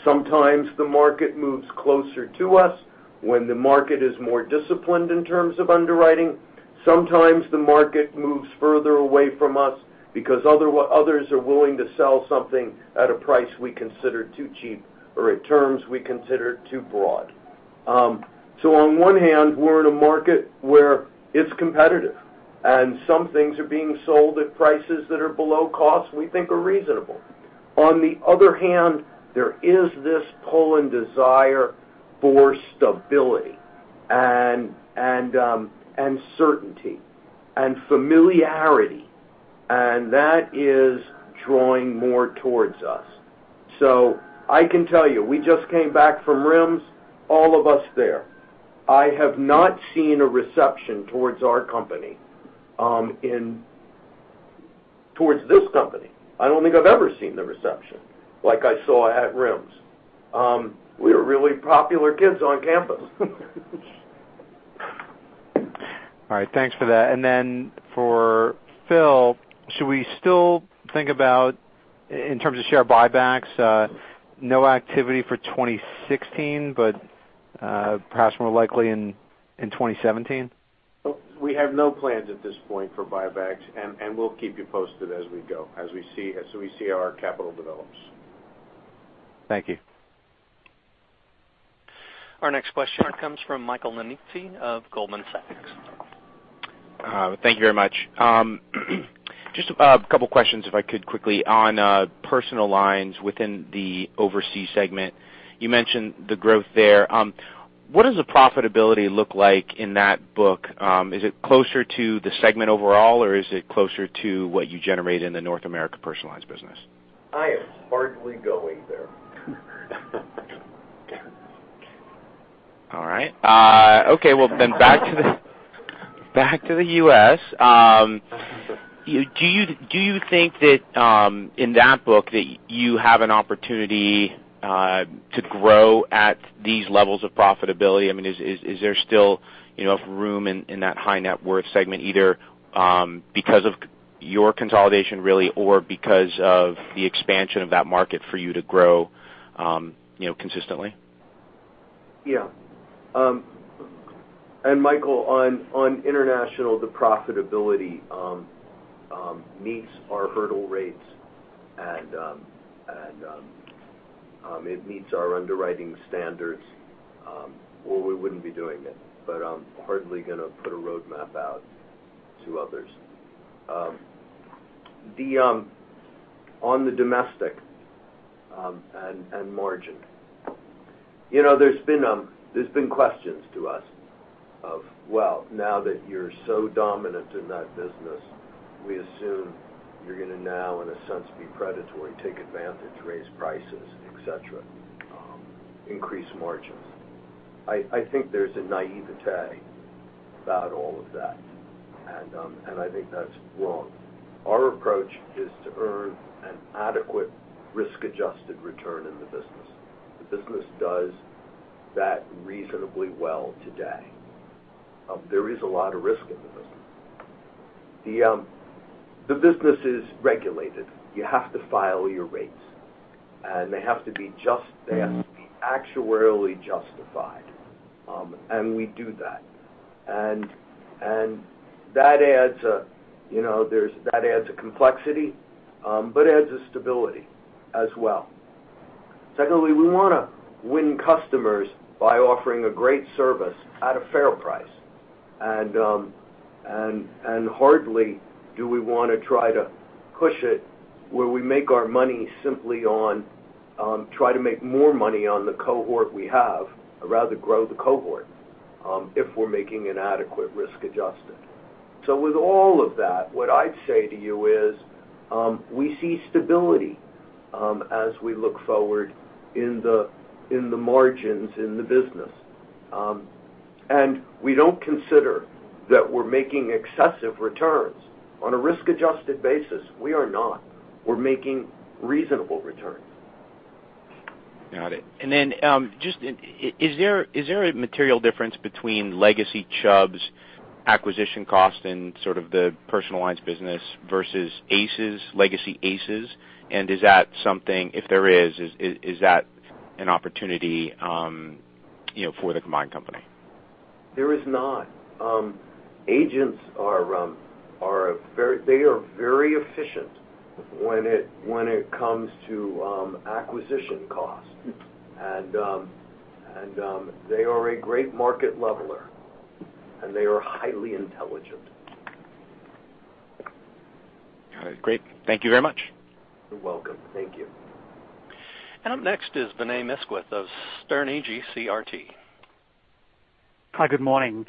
Sometimes the market moves closer to us when the market is more disciplined in terms of underwriting. Sometimes the market moves further away from us because others are willing to sell something at a price we consider too cheap or at terms we consider too broad. On one hand, we're in a market where it's competitive, and some things are being sold at prices that are below cost we think are reasonable. On the other hand, there is this pull and desire for stability and certainty and familiarity, and that is drawing more towards us. I can tell you, we just came back from RIMS, all of us there. I have not seen a reception towards this company, I don't think I've ever seen the reception like I saw at RIMS. We were really popular kids on campus.
All right. Thanks for that. For Phil, should we still think about, in terms of share buybacks, no activity for 2016, but perhaps more likely in 2017?
We have no plans at this point for buybacks. We'll keep you posted as we go, as we see how our capital develops.
Thank you.
Our next question comes from Michael Lemizzi of Goldman Sachs.
Thank you very much. Just a couple questions if I could quickly. On personal lines within the Overseas segment, you mentioned the growth there. What does the profitability look like in that book? Is it closer to the segment overall, or is it closer to what you generate in the North America personal lines business?
I am hardly going there.
Back to the U.S., do you think that in that book, that you have an opportunity to grow at these levels of profitability? Is there still room in that high net worth segment, either because of your consolidation really or because of the expansion of that market for you to grow consistently?
Michael, on international, the profitability meets our hurdle rates and it meets our underwriting standards, or we wouldn't be doing it, but I'm hardly going to put a roadmap out to others. On the domestic and margin, there's been questions to us of, now that you're so dominant in that business, we assume you're going to now, in a sense, be predatory, take advantage, raise prices, et cetera, increase margins. I think there's a naivete about all of that, and I think that's wrong. Our approach is to earn an adequate risk-adjusted return in the business. The business does that reasonably well today. There is a lot of risk in the business. The business is regulated. You have to file your rates, and they have to be actuarially justified, and we do that. That adds a complexity but adds a stability as well. Secondly, we want to win customers by offering a great service at a fair price. Hardly do we want to try to push it where we make our money simply on try to make more money on the cohort we have, rather grow the cohort if we're making an adequate risk adjustment. With all of that, what I'd say to you is, we see stability as we look forward in the margins in the business. We don't consider that we're making excessive returns. On a risk-adjusted basis, we are not. We're making reasonable returns.
Got it. Then, just is there a material difference between legacy Chubb's acquisition cost and sort of the personal lines business versus ACE's, legacy ACE's? Is that something, if there is that an opportunity for the combined company?
There is not. Agents are very efficient when it comes to acquisition cost. They are a great market leveler, and they are highly intelligent.
All right. Great. Thank you very much.
You're welcome. Thank you.
Up next is Vinay Misquith of Sterne Agee CRT.
Hi, good morning.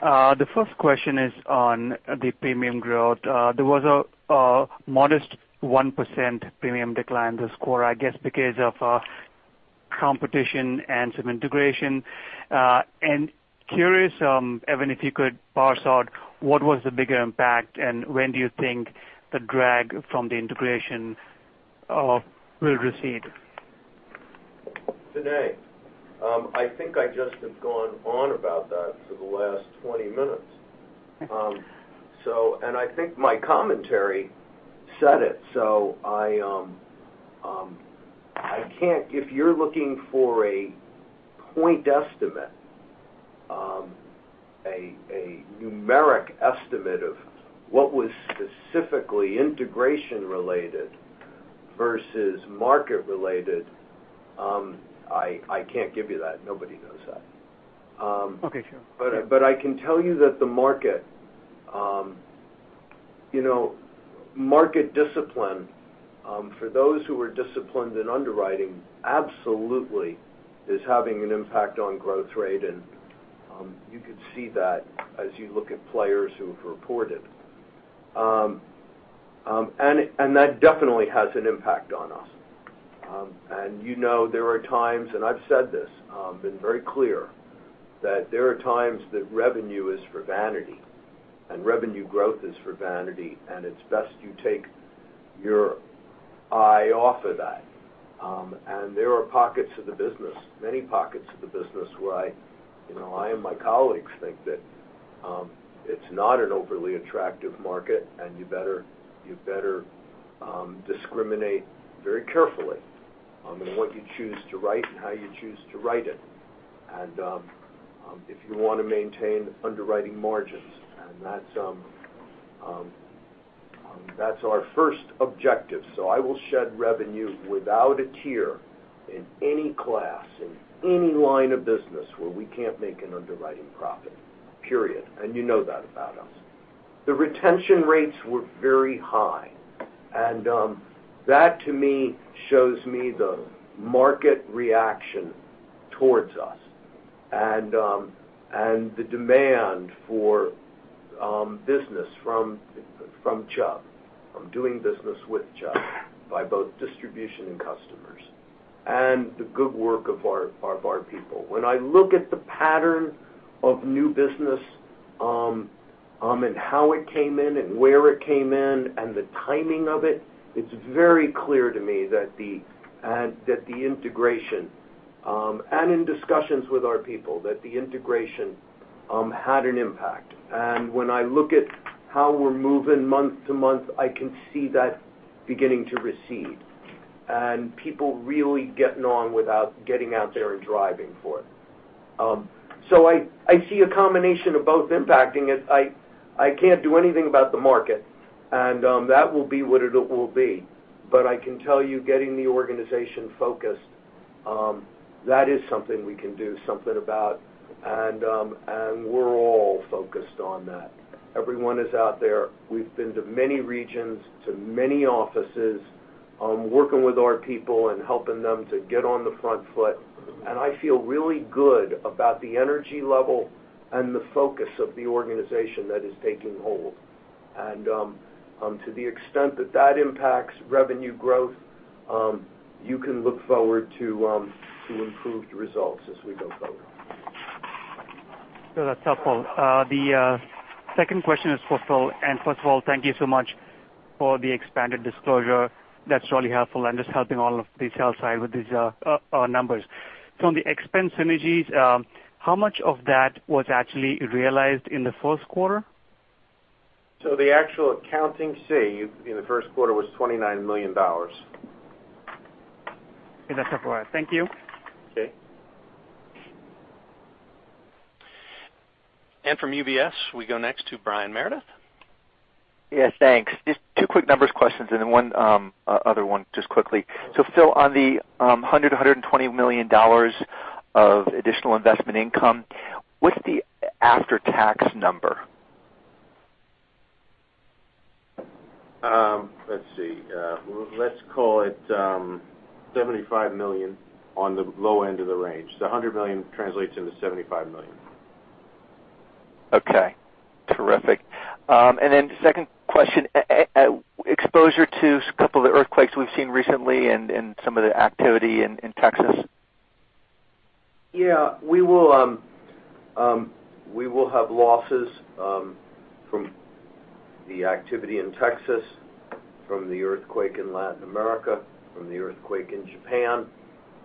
The first question is on the premium growth. There was a modest 1% premium decline this quarter, I guess because of competition and some integration. Curious, Evan, if you could parse out what was the bigger impact, and when do you think the drag from the integration will recede?
Vinay, I think I just have gone on about that for the last 20 minutes. I think my commentary said it, so if you're looking for a point estimate, a numeric estimate of what was specifically integration related versus market related, I can't give you that. Nobody knows that.
Okay, sure.
I can tell you that the market discipline for those who are disciplined in underwriting absolutely is having an impact on growth rate, and you could see that as you look at players who have reported. That definitely has an impact on us. You know there are times, and I've said this, been very clear that there are times that revenue is for vanity and revenue growth is for vanity, and it's best you take your eye off of that. There are pockets of the business, many pockets of the business where I and my colleagues think that it's not an overly attractive market and you better discriminate very carefully in what you choose to write and how you choose to write it if you want to maintain underwriting margins. That's our first objective. I will shed revenue without a tear in any class, in any line of business where we can't make an underwriting profit, period. You know that about us. The retention rates were very high, and that to me shows me the market reaction towards us and the demand for business from Chubb, from doing business with Chubb by both distribution and customers, and the good work of our people. When I look at the pattern of new business and how it came in and where it came in and the timing of it's very clear to me that the integration, and in discussions with our people, that the integration had an impact. When I look at how we're moving month to month, I can see that beginning to recede, and people really getting on without getting out there and driving for it. I see a combination of both impacting it. I can't do anything about the market, and that will be what it will be. I can tell you, getting the organization focused, that is something we can do something about. We're all focused on that. Everyone is out there. We've been to many regions, to many offices, working with our people and helping them to get on the front foot. I feel really good about the energy level and the focus of the organization that is taking hold. To the extent that that impacts revenue growth, you can look forward to improved results as we go forward.
That's helpful. The second question is for Phil. First of all, thank you so much for the expanded disclosure. That's really helpful and just helping all of the sell side with these numbers. On the expense synergies, how much of that was actually realized in the first quarter?
The actual accounting, say, in the first quarter was $29 million.
That's helpful. Thank you.
Okay.
From UBS, we go next to Brian Meredith.
Yes, thanks. Just two quick numbers questions, and then one other one just quickly. Phil, on the $100 million, $120 million of additional investment income, what's the after-tax number?
Let's see. Let's call it $75 million on the low end of the range. The $100 million translates into $75 million.
Okay. Terrific. Second question, exposure to a couple of the earthquakes we've seen recently and some of the activity in Texas.
Yeah. We will have losses from the activity in Texas, from the earthquake in Latin America, from the earthquake in Japan.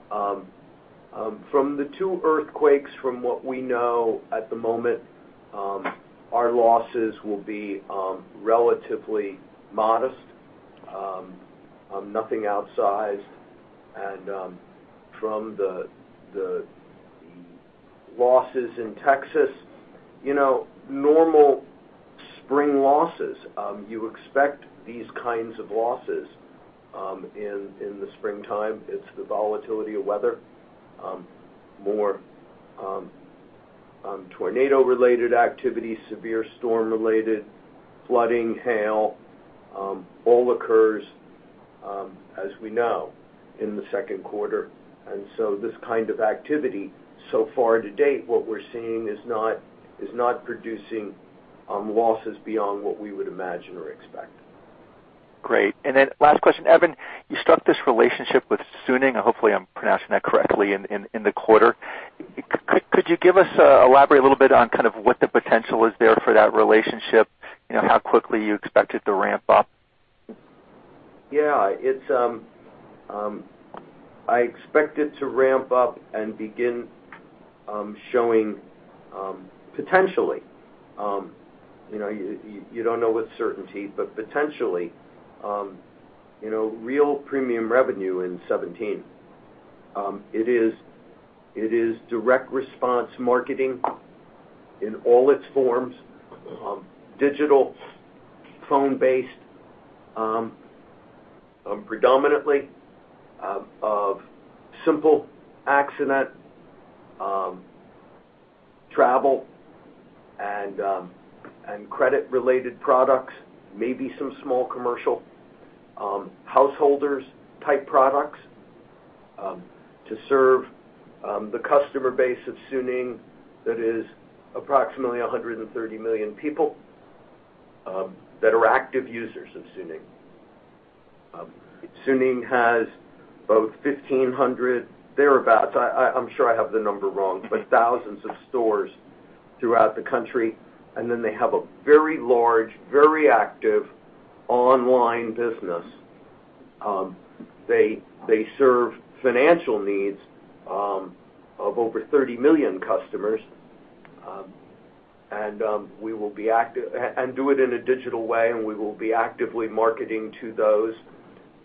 From the two earthquakes, from what we know at the moment, our losses will be relatively modest, nothing outsized. From the losses in Texas, normal spring losses. You expect these kinds of losses in the springtime. It's the volatility of weather. More tornado-related activity, severe storm-related flooding, hail, all occurs, as we know, in the second quarter. This kind of activity, so far to date, what we're seeing is not producing losses beyond what we would imagine or expect.
Great. Then last question. Evan, you struck this relationship with Suning, hopefully I'm pronouncing that correctly, in the quarter. Could you elaborate a little bit on what the potential is there for that relationship? How quickly you expect it to ramp up?
Yeah. I expect it to ramp up and begin showing potentially, you don't know with certainty, but potentially real premium revenue in 2017. It is direct response marketing in all its forms, digital, phone-based, predominantly of simple accident, travel, and credit-related products, maybe some small commercial householders type products to serve the customer base of Suning that is approximately 130 million people that are active users of Suning. Suning has both 1,500, thereabouts, I'm sure I have the number wrong, but thousands of stores throughout the country. Then they have a very large, very active online business. They serve financial needs of over 30 million customers, and do it in a digital way, and we will be actively marketing to those.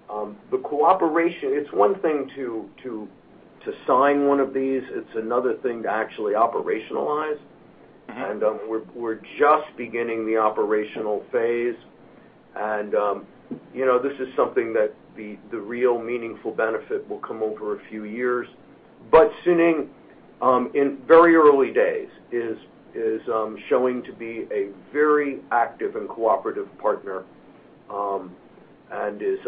It's one thing to sign one of these, it's another thing to actually operationalize. We're just beginning the operational phase. This is something that the real meaningful benefit will come over a few years. Suning, in very early days, is showing to be a very active and cooperative partner, and is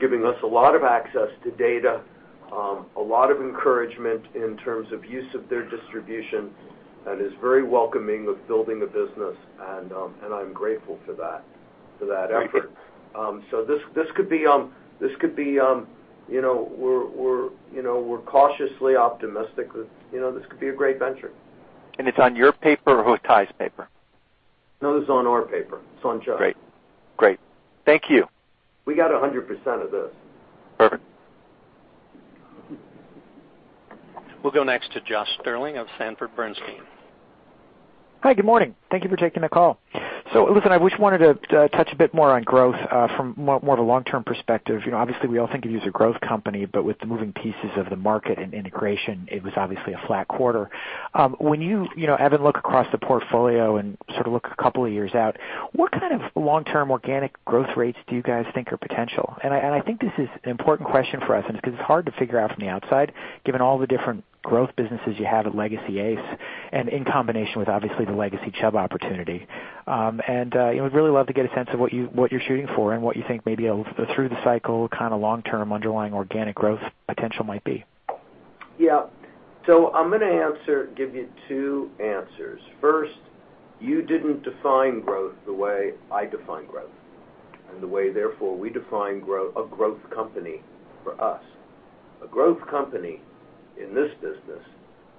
giving us a lot of access to data, a lot of encouragement in terms of use of their distribution, and is very welcoming of building a business, and I'm grateful for that effort.
Great.
We're cautiously optimistic that this could be a great venture.
It's on your paper or [inaudible] paper?
No, this is on our paper. It's on Chubb.
Great. Thank you.
We got 100% of this.
Perfect.
We'll go next to Josh Stirling of Sanford Bernstein.
Hi, good morning. Thank you for taking the call. Listen, I just wanted to touch a bit more on growth from more of a long-term perspective. Obviously, we all think of you as a growth company, but with the moving pieces of the market and integration, it was obviously a flat quarter. When you, Evan, look across the portfolio and sort of look a couple of years out, what kind of long-term organic growth rates do you guys think are potential? I think this is an important question for us, and it's because it's hard to figure out from the outside, given all the different growth businesses you have at legacy ACE and in combination with, obviously, the legacy Chubb opportunity. We'd really love to get a sense of what you're shooting for and what you think maybe through the cycle, kind of long-term underlying organic growth potential might be.
Yeah. I'm going to give you two answers. First, you didn't define growth the way I define growth and the way, therefore, we define a growth company for us. A growth company in this business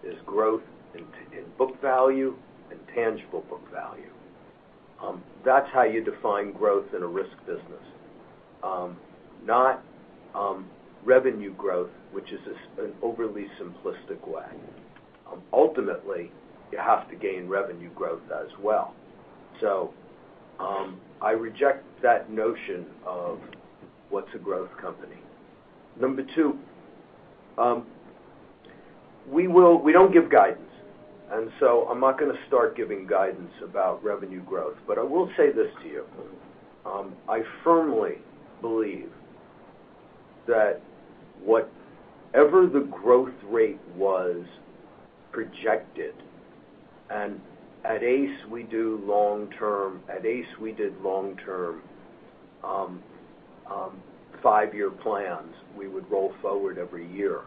is growth in book value and tangible book value. That's how you define growth in a risk business. Not revenue growth, which is an overly simplistic way. Ultimately, you have to gain revenue growth as well. I reject that notion of what's a growth company. Number two, we don't give guidance, I'm not going to start giving guidance about revenue growth. I will say this to you. I firmly believe that whatever the growth rate was projected, and at ACE we did long-term five-year plans we would roll forward every year,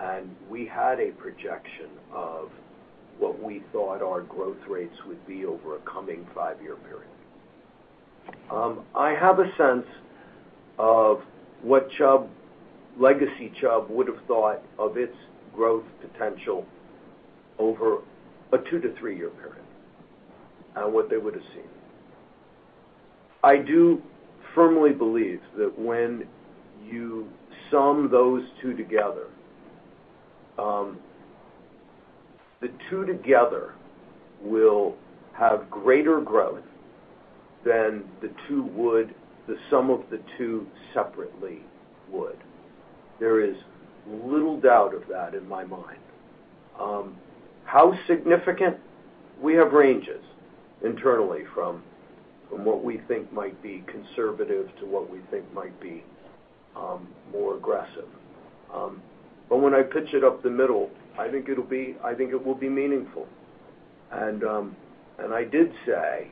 and we had a projection of what we thought our growth rates would be over a coming five-year period. I have a sense of what legacy Chubb would have thought of its growth potential over a two to three year period, and what they would have seen. I do firmly believe that when you sum those two together, the two together will have greater growth than the sum of the two separately would. There is little doubt of that in my mind. How significant? We have ranges internally from what we think might be conservative to what we think might be more aggressive. When I pitch it up the middle, I think it will be meaningful. I did say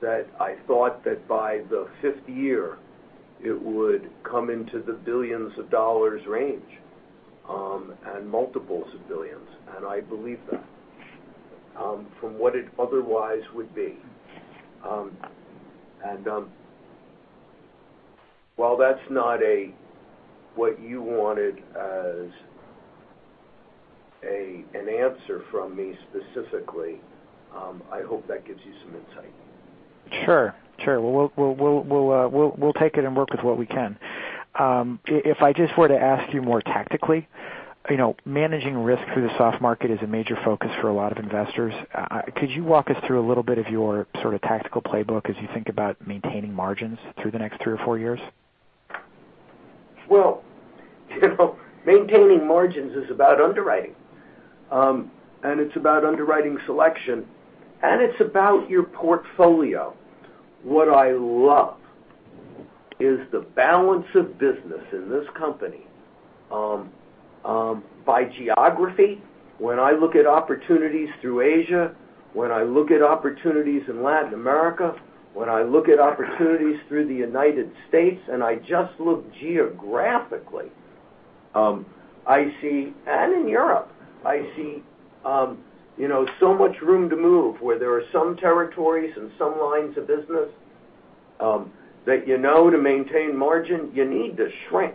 that I thought that by the fifth year it would come into the billions of dollars range, and multiples of billions, and I believe that, from what it otherwise would be. While that's not what you wanted as an answer from me specifically, I hope that gives you some insight.
Sure. We'll take it and work with what we can. If I just were to ask you more tactically, managing risk through the soft market is a major focus for a lot of investors. Could you walk us through a little bit of your sort of tactical playbook as you think about maintaining margins through the next three or four years?
Well, maintaining margins is about underwriting. It's about underwriting selection, and it's about your portfolio. What I love is the balance of business in this company by geography. When I look at opportunities through Asia, when I look at opportunities in Latin America, when I look at opportunities through the United States, and I just look geographically, and in Europe, I see so much room to move where there are some territories and some lines of business that you know to maintain margin, you need to shrink.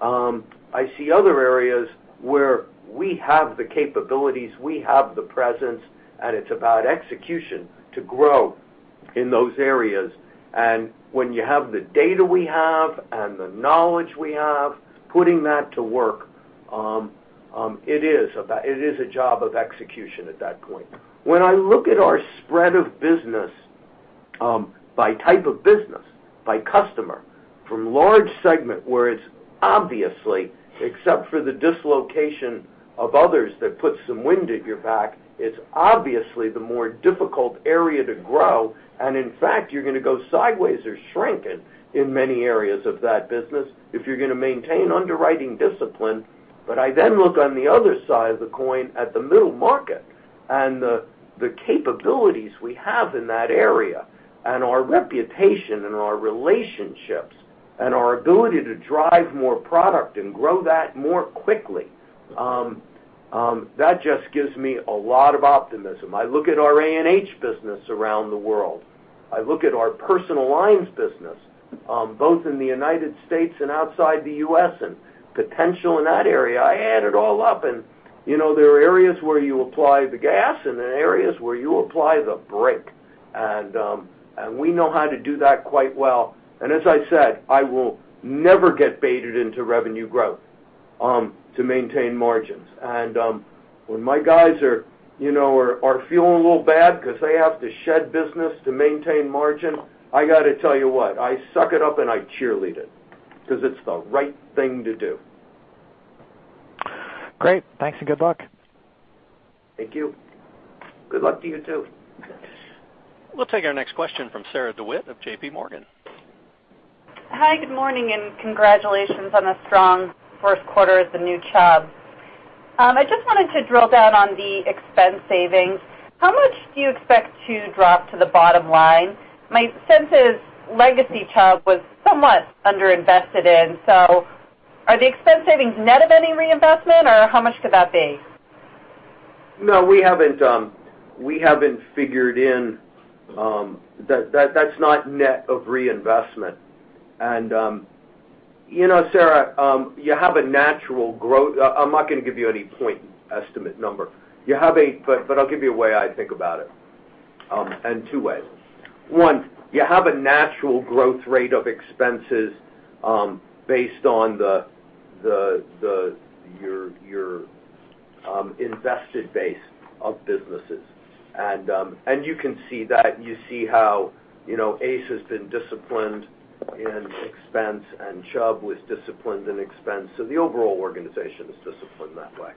I see other areas where we have the capabilities, we have the presence, and it's about execution to grow in those areas. When you have the data we have and the knowledge we have, putting that to work, it is a job of execution at that point. When I look at our spread of business by type of business, by customer, from large segment where it's obviously, except for the dislocation of others that put some wind at your back, it's obviously the more difficult area to grow, and in fact, you're going to go sideways or shrink it in many areas of that business if you're going to maintain underwriting discipline. I then look on the other side of the coin at the middle market and the capabilities we have in that area and our reputation and our relationships and our ability to drive more product and grow that more quickly. That just gives me a lot of optimism. I look at our A&H business around the world. I look at our personal lines business, both in the U.S. and outside the U.S., and potential in that area. I add it all up. There are areas where you apply the gas and then areas where you apply the brake. We know how to do that quite well. As I said, I will never get baited into revenue growth to maintain margins. When my guys are feeling a little bad because they have to shed business to maintain margin, I got to tell you what, I suck it up and I cheerlead it because it's the right thing to do.
Great. Thanks and good luck.
Thank you. Good luck to you too.
We'll take our next question from Sarah DeWitt of JPMorgan.
Hi, good morning, and congratulations on a strong first quarter as the new Chubb. I just wanted to drill down on the expense savings. How much do you expect to drop to the bottom line? My sense is legacy Chubb was somewhat under-invested in, are the expense savings net of any reinvestment, or how much could that be?
No, we haven't figured in. That's not net of reinvestment. Sarah, you have a natural growth. I'm not going to give you any point estimate number. I'll give you a way I think about it, in two ways. One, you have a natural growth rate of expenses based on your invested base of businesses. You can see that. You see how ACE has been disciplined in expense and Chubb was disciplined in expense. The overall organization is disciplined that way.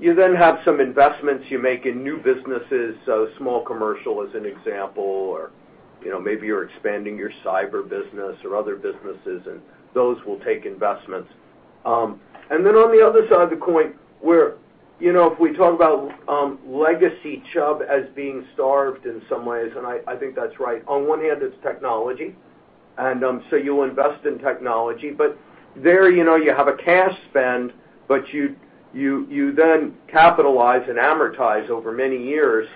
You then have some investments you make in new businesses, so small commercial as an example, or maybe you're expanding your cyber business or other businesses and those will take investments. On the other side of the coin, if we talk about legacy Chubb as being starved in some ways, and I think that's right. On one hand, it's technology, and so you invest in technology, but there you have a cash spend, but you then capitalize and amortize over many years.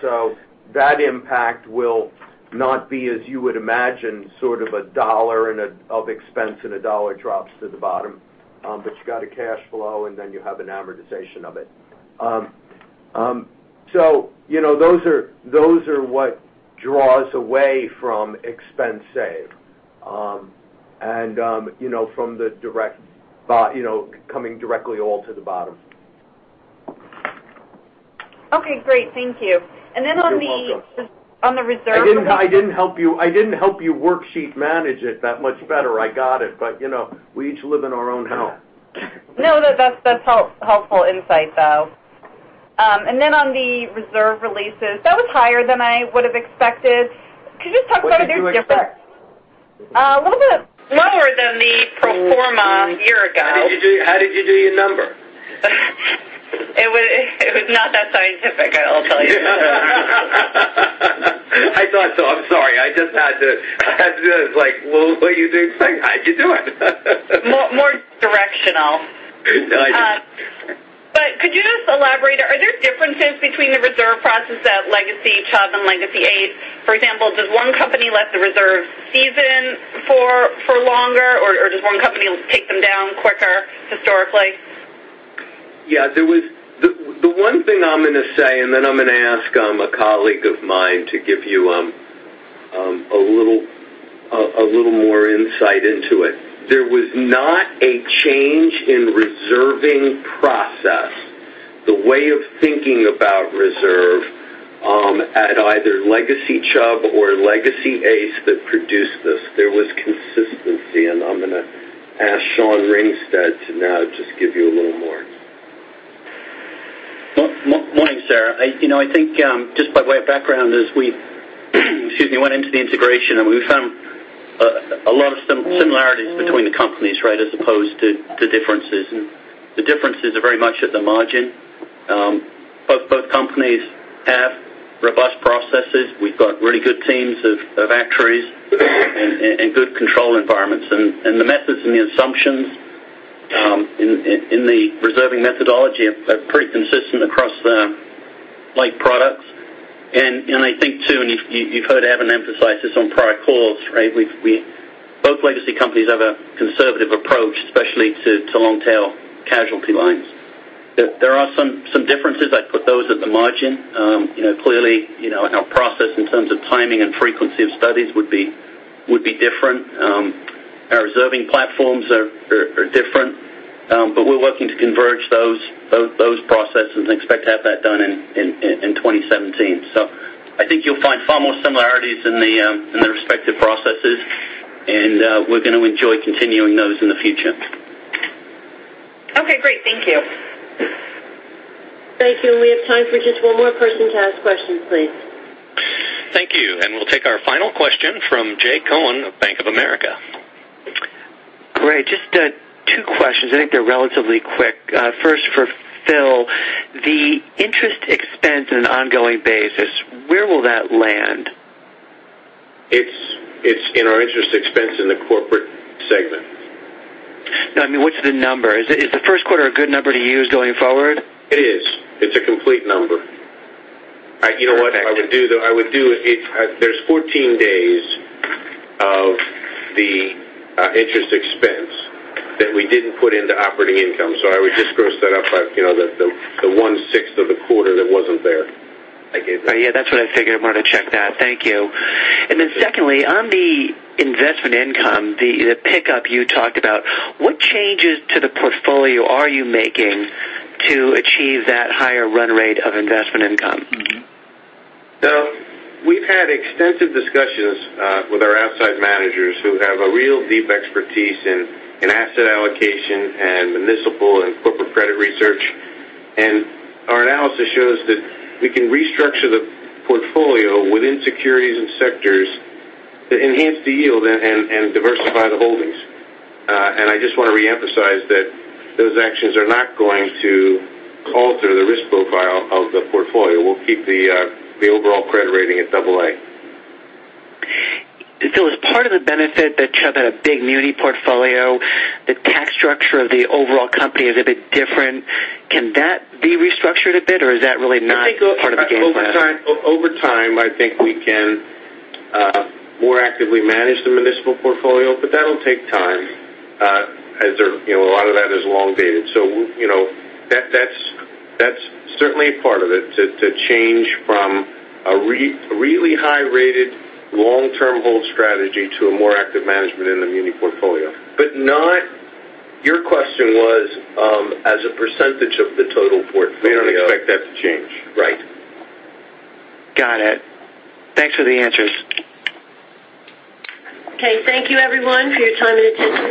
That impact will not be, as you would imagine, sort of a dollar of expense and a dollar drops to the bottom. You got a cash flow and then you have an amortization of it. Those are what draws away from expense save. From coming directly all to the bottom.
Okay, great. Thank you.
You're welcome.
Then on the reserves.
I didn't help you worksheet manage it that much better. I got it. We each live in our own hell.
No, that's helpful insight, though. On the reserve releases, that was higher than I would've expected. Could you just talk about the difference?
What did you expect?
A little bit lower than the pro forma year ago.
How did you do your number?
It was not that scientific, I'll tell you.
I thought so. I'm sorry. I just had to. I had to do it. It's like, well, what you do expect? How'd you do it?
More directional.
I see.
Could you just elaborate, are there differences between the reserve process at legacy Chubb and legacy ACE? For example, does one company let the reserve season for longer, or does one company take them down quicker historically?
The one thing I'm going to say, and then I'm going to ask a colleague of mine to give you a little more insight into it. There was not a change in reserving process, the way of thinking about reserve at either legacy Chubb or legacy ACE that produced this. There was consistency, and I'm going to ask Sean Ringsted to now just give you a little more.
Morning, Sarah. I think just by way of background is we went into the integration and we found a lot of similarities between the companies, right? As opposed to differences. The differences are very much at the margin. Both companies have robust processes. We've got really good teams of actuaries and good control environments. The methods and the assumptions in the reserving methodology are pretty consistent across the like products. I think too, and you've heard Evan emphasize this on prior calls, right? Both legacy companies have a conservative approach, especially to long tail casualty lines. There are some differences. I'd put those at the margin. Clearly our process in terms of timing and frequency of studies would be different. Our reserving platforms are different. We're working to converge those processes and expect to have that done in 2017. I think you'll find far more similarities in the respective processes, and we're going to enjoy continuing those in the future.
Okay, great. Thank you.
Thank you. We have time for just one more person to ask questions, please.
Thank you. We'll take our final question from Jay Cohen of Bank of America.
Great. Just two questions. I think they're relatively quick. First for Phil, the interest expense on an ongoing basis, where will that land?
It's in our interest expense in the corporate segment.
No, what's the number? Is the first quarter a good number to use going forward?
It is. It's a complete number.
Perfect.
What I would do, there's 14 days of the interest expense that we didn't put into operating income. I would just gross that up by the one-sixth of the quarter that wasn't there.
Yeah, that's what I figured. I wanted to check that. Thank you. Secondly, on the investment income, the pickup you talked about, what changes to the portfolio are you making to achieve that higher run rate of investment income?
We've had extensive discussions with our outside managers who have a real deep expertise in asset allocation and municipal and corporate credit research. Our analysis shows that we can restructure the portfolio within securities and sectors that enhance the yield and diversify the holdings. I just want to reemphasize that those actions are not going to alter the risk profile of the portfolio. We'll keep the overall credit rating at AA.
As part of the benefit that Chubb had a big muni portfolio, the tax structure of the overall company is a bit different. Can that be restructured a bit or is that really not part of the game plan?
Over time, I think we can more actively manage the municipal portfolio, but that'll take time as a lot of that is long dated. That's certainly a part of it, to change from a really high rated long-term hold strategy to a more active management in the muni portfolio.
Your question was as a percentage of the total portfolio?
We don't expect that to change.
Right.
Got it. Thanks for the answers.
Okay. Thank you everyone for your time and attention.